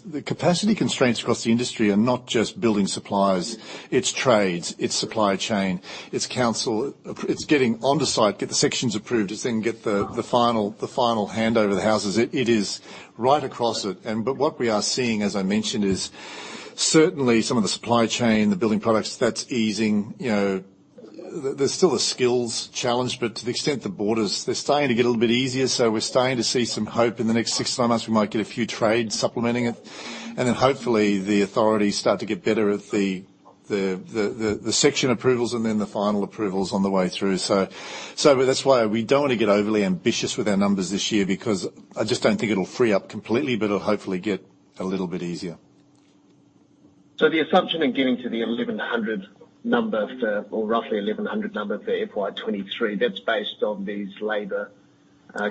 the capacity constraints across the industry are not just building supplies. It's trades. It's supply chain. It's council. It's getting on to site, get the sections approved. It's then get the final handover of the houses. It is right across it. But what we are seeing, as I mentioned, is certainly some of the supply chain, the building products, that's easing. You know, there's still a skills challenge, but to the extent the borders, they're starting to get a little bit easier. We're starting to see some hope in the next six to nine months we might get a few trades supplementing it. Hopefully the authorities start to get better at the section approvals and then the final approvals on the way through. That's why we don't wanna get overly ambitious with our numbers this year because I just don't think it'll free up completely, but it'll hopefully get a little bit easier. The assumption in getting to the 1,100 number for FY 2023, that's based on these labor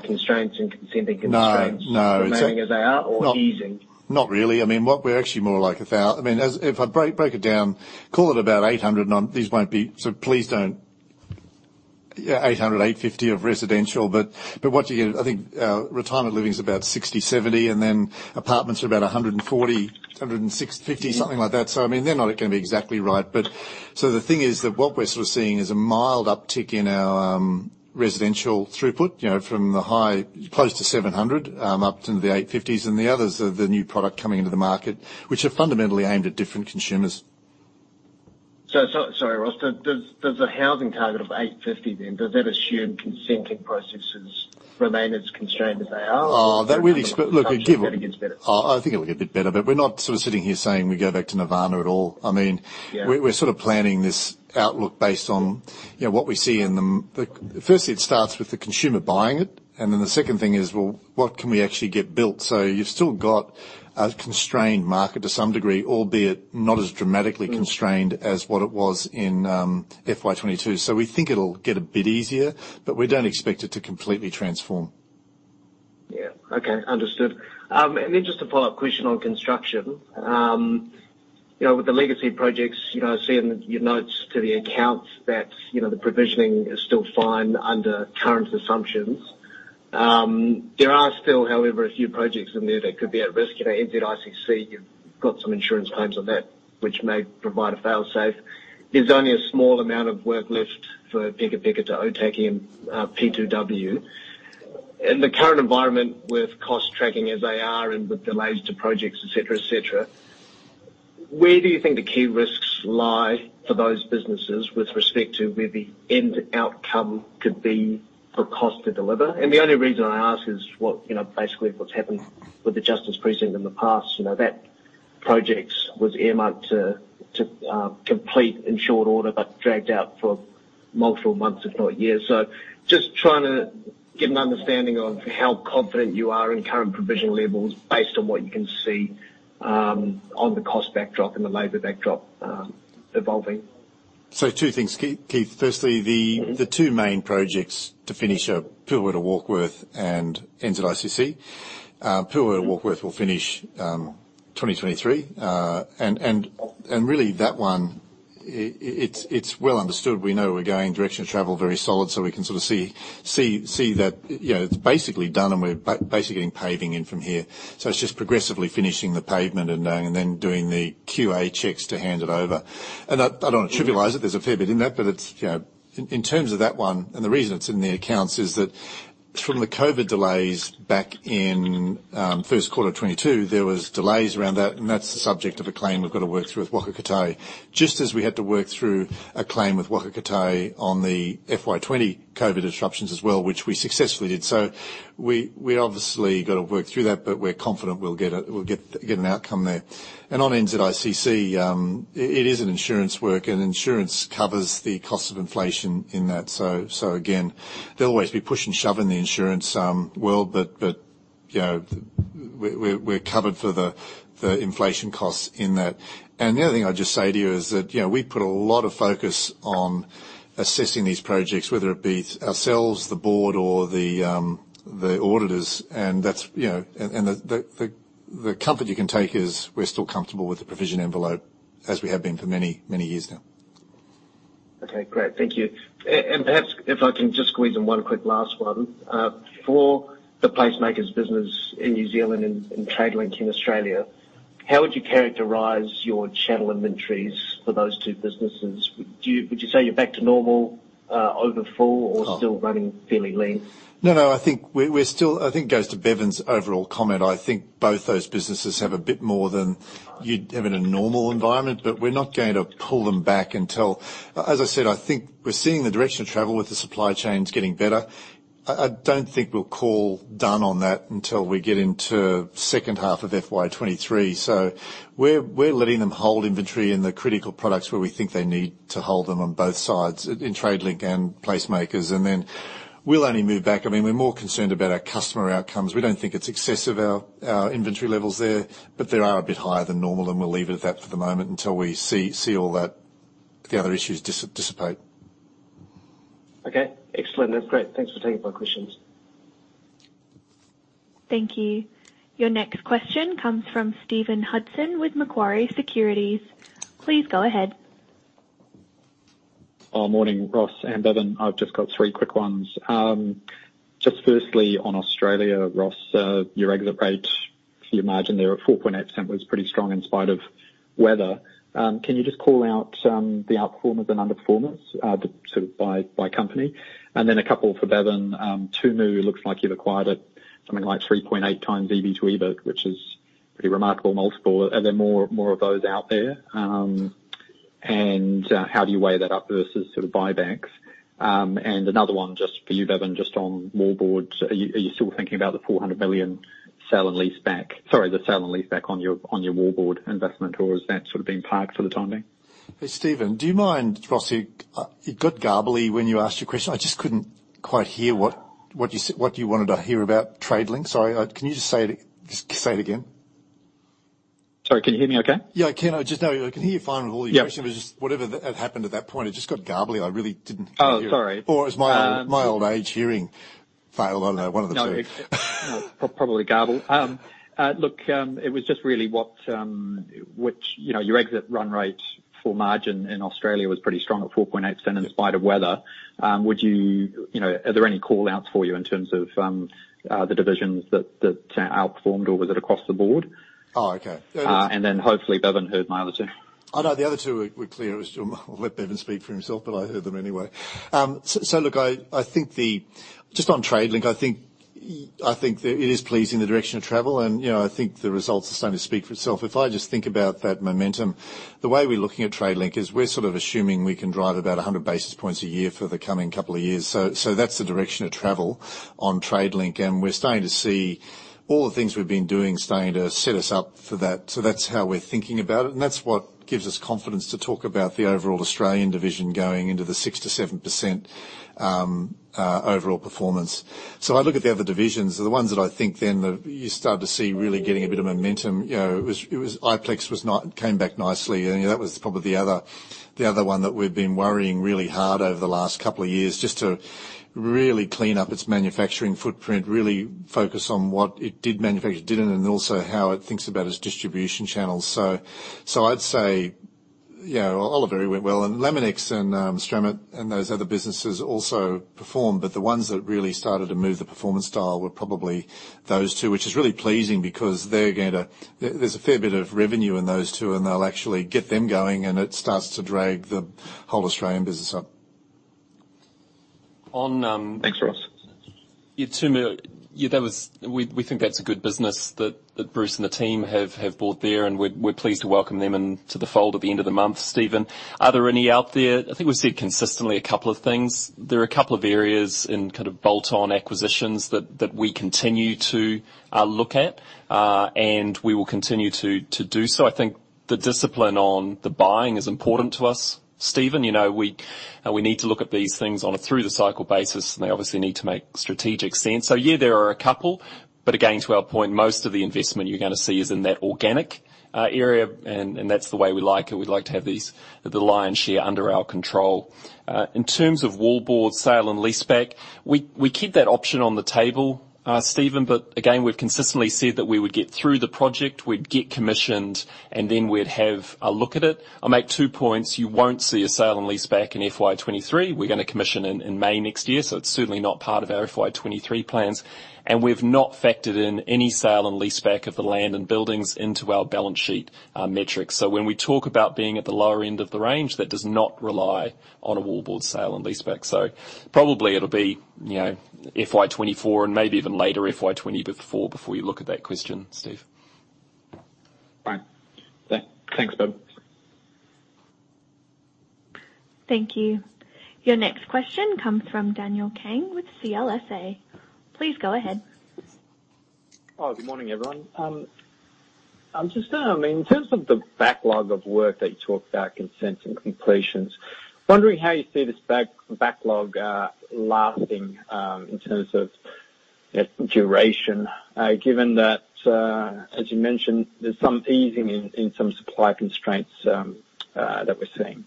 constraints and consenting constraints. No. No. Remaining as they are or easing? Not really. I mean, what we're actually more like. I mean, if I break it down, call it about 800. 800, 850 of residential. But what you get, I think, retirement living is about 60, 70, and then apartments are about 140, 160, 165, something like that. I mean, they're not gonna be exactly right. The thing is that what we're sort of seeing is a mild uptick in our residential throughput, you know, from the high close to 700 up to the 850s and the others of the new product coming into the market, which are fundamentally aimed at different consumers. Sorry, Ross, does the housing target of 850 then, does that assume consenting processes remain as constrained as they are? Oh, that really sp- Do you expect that gets better? Oh, I think it'll get a bit better, but we're not sort of sitting here saying we go back to nirvana at all. I mean. Yeah. We're sort of planning this outlook based on, you know, what we see. Firstly, it starts with the consumer buying it, and then the second thing is, well, what can we actually get built? You've still got a constrained market to some degree, albeit not as dramatically constrained. Mm. as what it was in FY 22. We think it'll get a bit easier, but we don't expect it to completely transform. Yeah. Okay. Understood. Just a follow-up question on construction. You know, with the legacy projects, you know, I see in your notes to the accounts that, you know, the provisioning is still fine under current assumptions. There are still, however, a few projects in there that could be at risk. You know, NZICC, you've got some insurance claims on that, which may provide a fail-safe. There's only a small amount of work left for Peka Peka to Ōtaki and PP2Ō. In the current environment with cost tracking as they are and with delays to projects, et cetera, et cetera, where do you think the key risks lie for those businesses with respect to where the end outcome could be for cost to deliver? The only reason I ask is what, you know, basically what's happened with the justice precinct in the past. You know, that project was earmarked to complete in short order, but dragged out for multiple months, if not years. Just trying to get an understanding of how confident you are in current provision levels based on what you can see, on the cost backdrop and the labor backdrop, evolving. Two things, Keith. Firstly, Mm-hmm. The two main projects to finish are Pūhoi to Warkworth and NZICC. Pūhoi to Warkworth will finish 2023. Really that one, it's well understood. We know we're going direction of travel very solid, so we can sort of see that, you know, it's basically done and we're basically getting paving in from here. It's just progressively finishing the pavement and then doing the QA checks to hand it over. I don't wanna trivialize it. There's a fair bit in that. It's, you know, in terms of that one, and the reason it's in the accounts is that from the COVID delays back in first quarter 2022, there was delays around that, and that's the subject of a claim we've got to work through with Waka Kotahi. Just as we had to work through a claim with Waka Kotahi on the FY 20 COVID disruptions as well, which we successfully did. We obviously gotta work through that, but we're confident we'll get an outcome there. On NZICC, it is an insurance work, and insurance covers the cost of inflation in that. Again, there'll always be push and shove in the insurance world, but you know, we're covered for the inflation costs in that. The other thing I'd just say to you is that, you know, we put a lot of focus on assessing these projects, whether it be ourselves, the board or the auditors. That's, you know, and the comfort you can take is we're still comfortable with the provision envelope as we have been for many, many years now. Okay, great. Thank you. Perhaps if I can just squeeze in one quick last one. For the PlaceMakers business in New Zealand and Tradelink in Australia, how would you characterize your channel inventories for those two businesses? Would you say you're back to normal, over full or still running fairly lean? No, no, I think it still goes to Bevan's overall comment. I think both those businesses have a bit more than you'd have in a normal environment. We're not going to pull them back until, as I said, I think we're seeing the direction of travel with the supply chains getting better. I don't think we'll call it done on that until we get into second half of FY 2023. We're letting them hold inventory in the critical products where we think they need to hold them on both sides, in Tradelink and PlaceMakers. Then we'll only move back. I mean, we're more concerned about our customer outcomes. We don't think it's excessive, our inventory levels there, but they are a bit higher than normal, and we'll leave it at that for the moment until we see all that, the other issues dissipate. Okay. Excellent. That's great. Thanks for taking my questions. Thank you. Your next question comes from Stephen Hudson with Macquarie Securities. Please go ahead. Oh, morning, Ross and Bevan. I've just got three quick ones. Just firstly, on Australia, Ross, your exit rate, your margin there at 4.8% was pretty strong in spite of weather. Can you just call out the outperformers and underperformers, sort of by company? Then a couple for Bevan. Tumu looks like you've acquired at something like 3.8x EV to EBIT, which is pretty remarkable multiple. Are there more of those out there? How do you weigh that up versus sort of buybacks? Another one just for you, Bevan, just on Winstone Wallboards. Are you still thinking about the 400 million sale and leaseback on your Winstone Wallboards investment, or has that sort of been parked for the time being? Hey, Stephen, do you mind, Ross? It got garbled when you asked your question. I just couldn't quite hear what you wanted to hear about Tradelink. Sorry, can you just say it again? Sorry, can you hear me okay? Yeah, I can. No, I can hear you fine with all your questions. Yeah. Just whatever that happened at that point, it just got garbled. I really didn't hear. Oh, sorry. It was my old age hearing fail. I don't know, one of the two. Look, it was just really which, you know, your exit run rate for margin in Australia was pretty strong at 4.8% in spite of weather. Would you know, are there any call-outs for you in terms of the divisions that outperformed, or was it across the board? Oh, okay. Hopefully Bevan heard my other two. Oh, no, the other two were clear. It was your. I'll let Bevan speak for himself, but I heard them anyway. Look, I think. Just on Tradelink, I think that it is pleasing, the direction of travel. You know, I think the results are starting to speak for itself. If I just think about that momentum, the way we're looking at Tradelink is we're sort of assuming we can drive about 100 basis points a year for the coming couple of years. That's the direction of travel on Tradelink, and we're starting to see all the things we've been doing starting to set us up for that. That's how we're thinking about it, and that's what gives us confidence to talk about the overall Australian division going into the 6%-7% overall performance. I look at the other divisions, the ones that I think then you start to see really getting a bit of momentum. Iplex came back nicely. That was probably the other one that we've been worrying really hard over the last couple of years just to really clean up its manufacturing footprint, really focus on what it did manufacture, didn't, and also how it thinks about its distribution channels. I'd say. Yeah, Oliveri went well, and Laminex and Stramit and those other businesses also performed. The ones that really started to move the performance dial were probably those two, which is really pleasing because they're going to. There's a fair bit of revenue in those two, and they'll actually get them going, and it starts to drag the whole Australian business up. On, um- Thanks, Ross. That was. We think that's a good business that Bruce and the team have bought there, and we're pleased to welcome them into the fold at the end of the month. Stephen, are there any out there? I think we've said consistently a couple of things. There are a couple of areas in kind of bolt-on acquisitions that we continue to look at, and we will continue to do so. I think the discipline on the buying is important to us. Stephen, you know, we need to look at these things on a through-the-cycle basis, and they obviously need to make strategic sense. Yeah, there are a couple, but again, to our point, most of the investment you're gonna see is in that organic area, and that's the way we like it. We like to have these, the lion's share under our control. In terms of Wallboard sale and leaseback, we keep that option on the table, Stephen, but again, we've consistently said that we would get through the project, we'd get commissioned, and then we'd have a look at it. I'll make two points. You won't see a sale and leaseback in FY 2023. We're gonna commission in May next year, so it's certainly not part of our FY 2023 plans. We've not factored in any sale and leaseback of the land and buildings into our balance sheet metrics. When we talk about being at the lower end of the range, that does not rely on a Wallboard sale and leaseback. Probably it'll be, you know, FY 2024 and maybe even later FY 2025 before you look at that question, Steve. Fine. Thanks, Bevan. Thank you. Your next question comes from Daniel Kang with CLSA. Please go ahead. Oh, good morning, everyone. I'm just, I mean, in terms of the backlog of work that you talked about, consents and completions, wondering how you see this backlog lasting, in terms of, you know, duration, given that, as you mentioned, there's some easing in some supply constraints that we're seeing?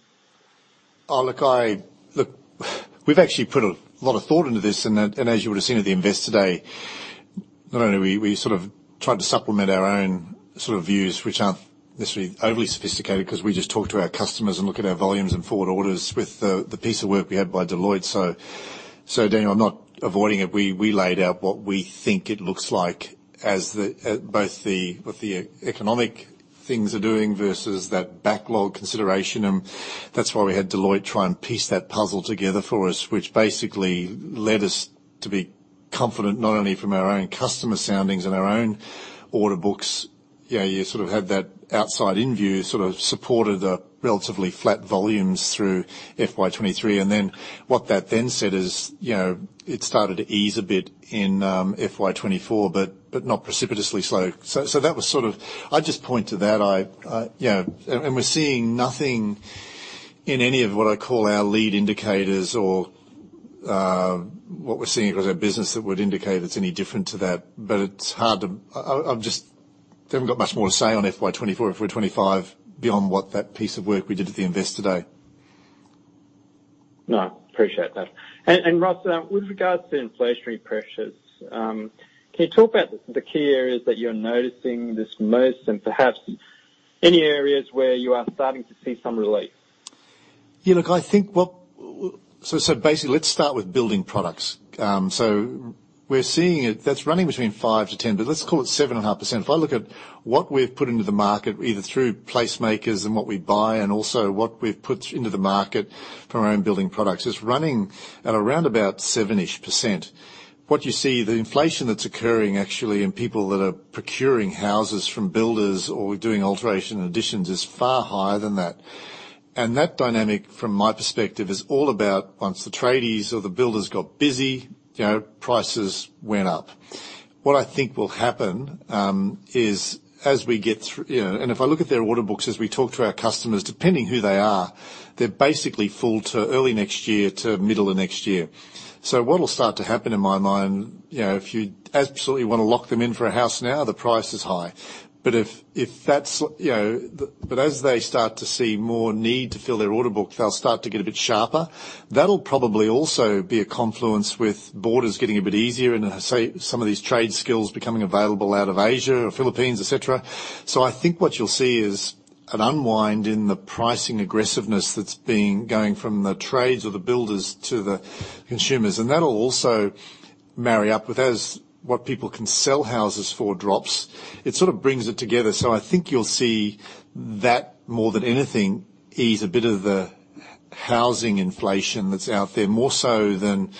Look, we've actually put a lot of thought into this and as you would have seen at the Investor Day, not only we sort of tried to supplement our own sort of views, which aren't necessarily overly sophisticated 'cause we just talk to our customers and look at our volumes and forward orders with the piece of work we had by Deloitte. So Daniel, I'm not avoiding it. We laid out what we think it looks like, both what the economic things are doing versus that backlog consideration, and that's why we had Deloitte try and piece that puzzle together for us, which basically led us to be confident, not only from our own customer soundings and our own order books. Yeah, you sort of have that outside-in view, sort of supported the relatively flat volumes through FY 2023. What that then said is, you know, it started to ease a bit in FY 2024, but not precipitously slow. That was sort of it. I just point to that, you know. We're seeing nothing in any of what I call our lead indicators or what we're seeing with our business that would indicate it's any different to that. But it's hard to. I've just haven't got much more to say on FY 2024, FY 2025 beyond what that piece of work we did at the Investor Day. No, appreciate that. Ross, with regards to inflationary pressures, can you talk about the key areas that you're noticing this most and perhaps any areas where you are starting to see some relief? Basically, let's start with building products. We're seeing it. That's running 5%-10%, but let's call it 7.5%. If I look at what we've put into the market, either through PlaceMakers and what we buy and also what we've put into the market from our own building products, it's running at around about 7-ish%. What you see, the inflation that's occurring actually in people that are procuring houses from builders or doing alteration additions is far higher than that. That dynamic, from my perspective, is all about once the tradies or the builders got busy, you know, prices went up. What I think will happen is as we get through, you know. If I look at their order books as we talk to our customers, depending who they are, they're basically full to early next year to middle of next year. What will start to happen in my mind, you know, if you absolutely wanna lock them in for a house now, the price is high. If that's, you know, as they start to see more need to fill their order book, they'll start to get a bit sharper. That'll probably also be a confluence with borders getting a bit easier and, say, some of these trade skills becoming available out of Asia or Philippines, et cetera. I think what you'll see is an unwind in the pricing aggressiveness that's been going from the trades or the builders to the consumers. That'll also marry up with as what people can sell houses for drops. It sort of brings it together. I think you'll see that more than anything ease a bit of the housing inflation that's out there, more so than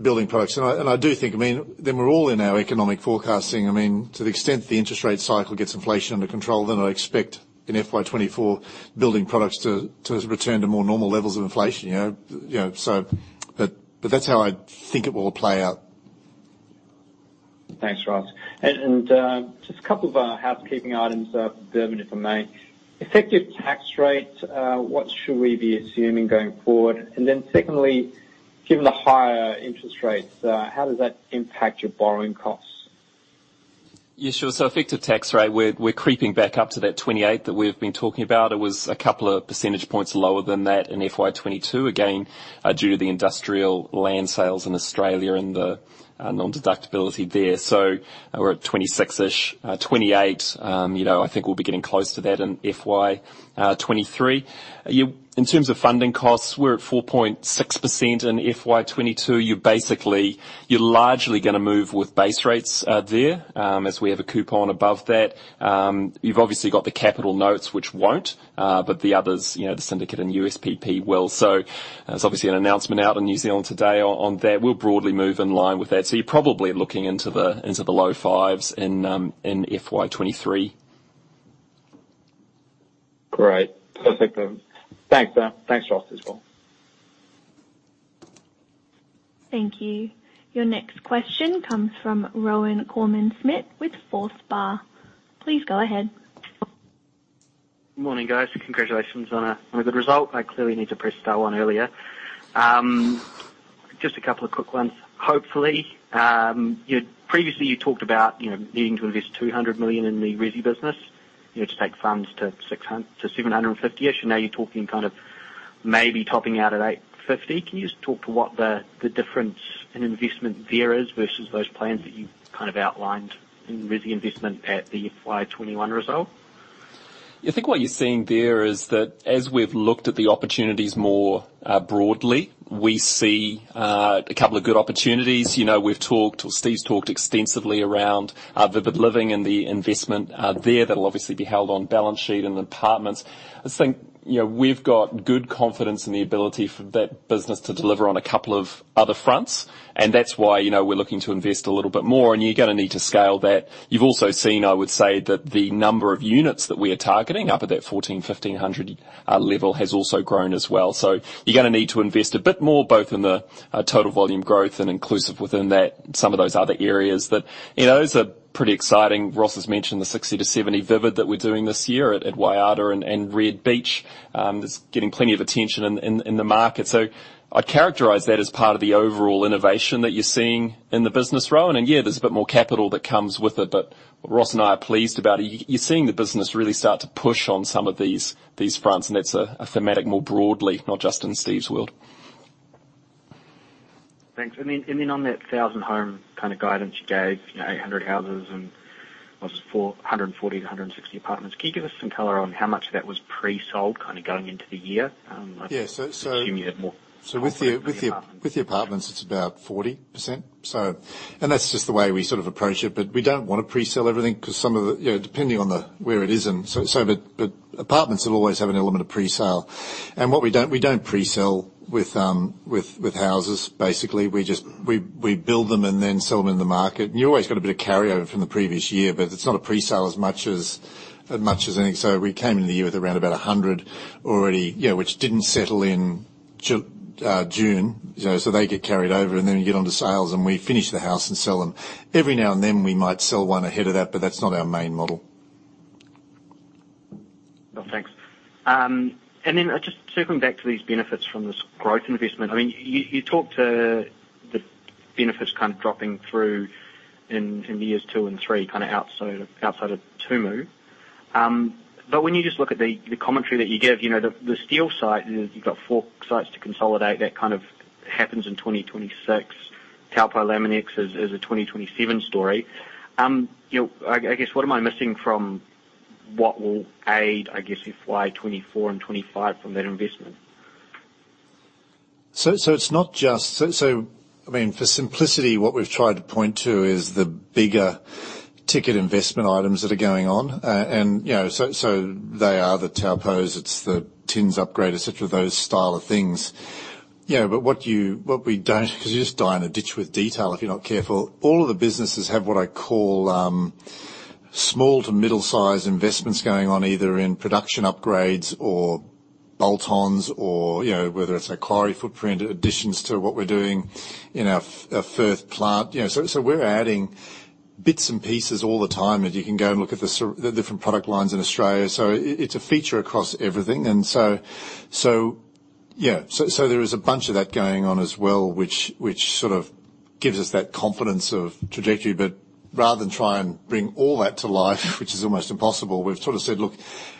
building products. I do think, I mean, then we're all in our economic forecasting. I mean, to the extent the interest rate cycle gets inflation under control, then I expect in FY 2024 building products to return to more normal levels of inflation, you know? You know, but that's how I think it will play out. Thanks, Ross. Just a couple of housekeeping items, Bevan, if I may. Effective tax rate, what should we be assuming going forward? Secondly, given the higher interest rates, how does that impact your borrowing costs? Yeah, sure. Effective tax rate, we're creeping back up to that 28% that we have been talking about. It was a couple of percentage points lower than that in FY 2022, again, due to the industrial land sales in Australia and the nondeductibility there. We're at 26-ish, 28, you know, I think we'll be getting close to that in FY 2023. In terms of funding costs, we're at 4.6% in FY 2022. You're largely gonna move with base rates there, as we have a coupon above that. You've obviously got the capital notes which won't, but the others, you know, the syndicate and USPP will. There's obviously an announcement out in New Zealand today on that. We'll broadly move in line with that. You're probably looking into the low fives in FY 2023. Great. Perfect then. Thanks, Dan. Thanks, Ross, as well. Thank you. Your next question comes from Rohan Gallagher with Forsyth Barr. Please go ahead. Morning, guys. Congratulations on a good result. I clearly need to press *1 earlier. Just a couple of quick ones, hopefully. Previously you talked about, you know, needing to invest 200 million in the resi business, you know, to take funds to 750-ish, and now you're talking kind of maybe topping out at 850. Can you just talk to what the difference in investment there is versus those plans that you kind of outlined in resi investment at the FY 2021 result? I think what you're seeing there is that as we've looked at the opportunities more broadly, we see a couple of good opportunities. You know, we've talked, or Steve's talked extensively around Vivid Living and the investment there that'll obviously be held on balance sheet and apartments. I think, you know, we've got good confidence in the ability for that business to deliver on a couple of other fronts, and that's why, you know, we're looking to invest a little bit more, and you're gonna need to scale that. You've also seen, I would say, that the number of units that we are targeting, up at that 1,400-1,500 level has also grown as well. You're gonna need to invest a bit more both in the total volume growth and inclusive within that, some of those other areas that. You know, those are pretty exciting. Ross has mentioned the 60-70 Vivid that we're doing this year at Waiata and Red Beach. That's getting plenty of attention in the market. I'd characterize that as part of the overall innovation that you're seeing in the business, Rohan. Yeah, there's a bit more capital that comes with it, but Ross and I are pleased about it. You're seeing the business really start to push on some of these fronts, and that's a thematic more broadly, not just in Steve's world. Thanks. On that 1,000-home kinda guidance you gave, you know, 800 houses and what was it, 140-160 apartments. Can you give us some color on how much of that was pre-sold kinda going into the year? Yeah. I assume you had more. With the apartments, it's about 40%. That's just the way we sort of approach it, but we don't wanna pre-sell everything 'cause some of the you know, depending on where it is and. Apartments will always have an element of pre-sale. What we don't pre-sell with houses. Basically, we just we build them and then sell them in the market. You always got a bit of carryover from the previous year, but it's not a pre-sale as much as anything. We came into the year with around about 100 already, you know, which didn't settle in June. You know, so they get carried over, and then we get onto sales, and we finish the house and sell them. Every now and then, we might sell one ahead of that, but that's not our main model. Well, thanks. Just circling back to these benefits from this growth investment. I mean, you talked to the benefits kind of dropping through in years two and three, kinda outside of Tumu. When you just look at the commentary that you give, you know, the steel sites you've got four sites to consolidate, that kind of happens in 2026. Taupō Laminex is a 2027 story. You know, I guess, what am I missing from what will aid, I guess, FY 2024 and 2025 from that investment? I mean, for simplicity, what we've tried to point to is the bigger ticket investment items that are going on. You know, they are the Taupos, it's the tins upgrade, et cetera, those style of things. You know, but what we don't, 'cause you just die in a ditch with detail if you're not careful. All of the businesses have what I call small to middle size investments going on, either in production upgrades or bolt-ons or, you know, whether it's a quarry footprint, additions to what we're doing in our Firth plant. You know, we're adding bits and pieces all the time, and you can go and look at the different product lines in Australia. It's a feature across everything. Yeah. There is a bunch of that going on as well, which sort of gives us that confidence of trajectory. Rather than try and bring all that to life, which is almost impossible, we've sort of said, "Look,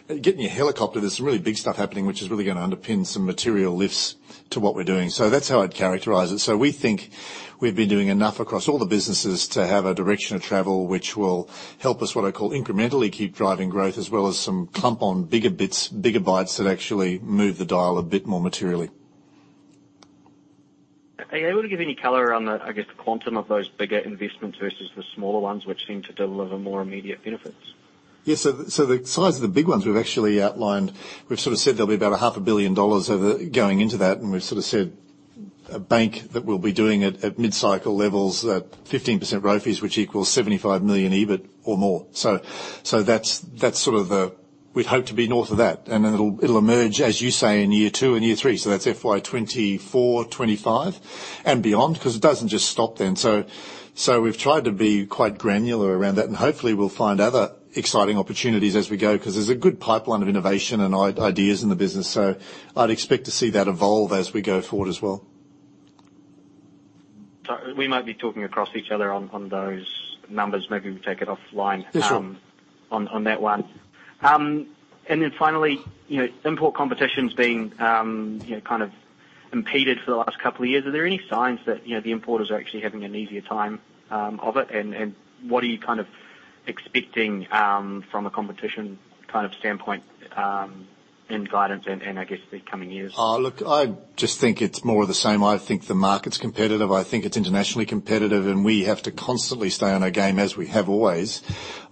get in your helicopter. There's some really big stuff happening, which is really gonna underpin some material lifts to what we're doing." That's how I'd characterize it. We think we've been doing enough across all the businesses to have a direction of travel, which will help us, what I call incrementally keep driving growth, as well as some clump on bigger bits, bigger bites that actually move the dial a bit more materially. Are you able to give any color on the, I guess, the quantum of those bigger investments versus the smaller ones which seem to deliver more immediate benefits? Yeah. The size of the big ones we've actually outlined. We've sorta said there'll be about NZD half a billion of it going into that, and we've sorta said that we'll be doing at mid-cycle levels at 15% ROFE, which equals 75 million EBIT or more. That's sort of the. We'd hope to be north of that, and then it'll emerge, as you say, in year two and year three. That's FY 2024, 2025 and beyond, 'cause it doesn't just stop then. We've tried to be quite granular around that, and hopefully we'll find other exciting opportunities as we go, 'cause there's a good pipeline of innovation and ideas in the business. I'd expect to see that evolve as we go forward as well. Sorry, we might be talking across each other on those numbers. Maybe we take it offline. Yeah, sure. On that one. Finally, you know, import competition's been you know kind of impeded for the last couple of years. Are there any signs that, you know, the importers are actually having an easier time of it? What are you kind of expecting from a competition kind of standpoint in guidance and I guess the coming years? Oh, look, I just think it's more of the same. I think the market's competitive. I think it's internationally competitive, and we have to constantly stay on our game, as we have always,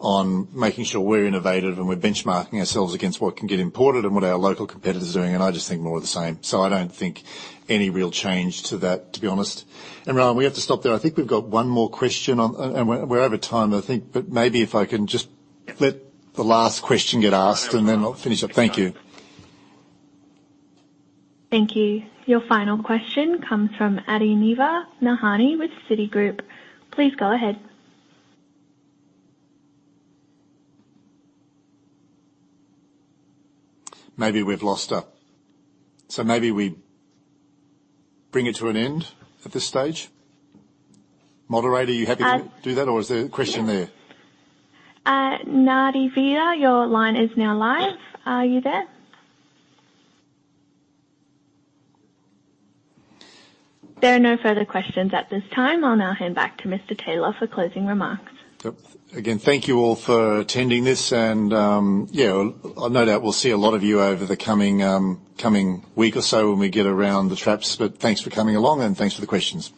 on making sure we're innovative and we're benchmarking ourselves against what can get imported and what our local competitor's doing. I just think more of the same. I don't think any real change to that, to be honest. Rohan, we have to stop there. I think we've got one more question on. We're over time, I think, but maybe if I can just let the last question get asked, and then I'll finish up. Thank you. Thank you. Your final question comes from Aditya Narain with Citigroup. Please go ahead. Maybe we've lost her. Maybe we bring it to an end at this stage. Moderator, are you happy to do that, or is there a question there? Aditya Narain, your line is now live. Are you there? There are no further questions at this time. I'll now hand back to Mr. Taylor for closing remarks. Yep. Again, thank you all for attending this and, yeah, no doubt we'll see a lot of you over the coming week or so when we get around the traps. Thanks for coming along, and thanks for the questions.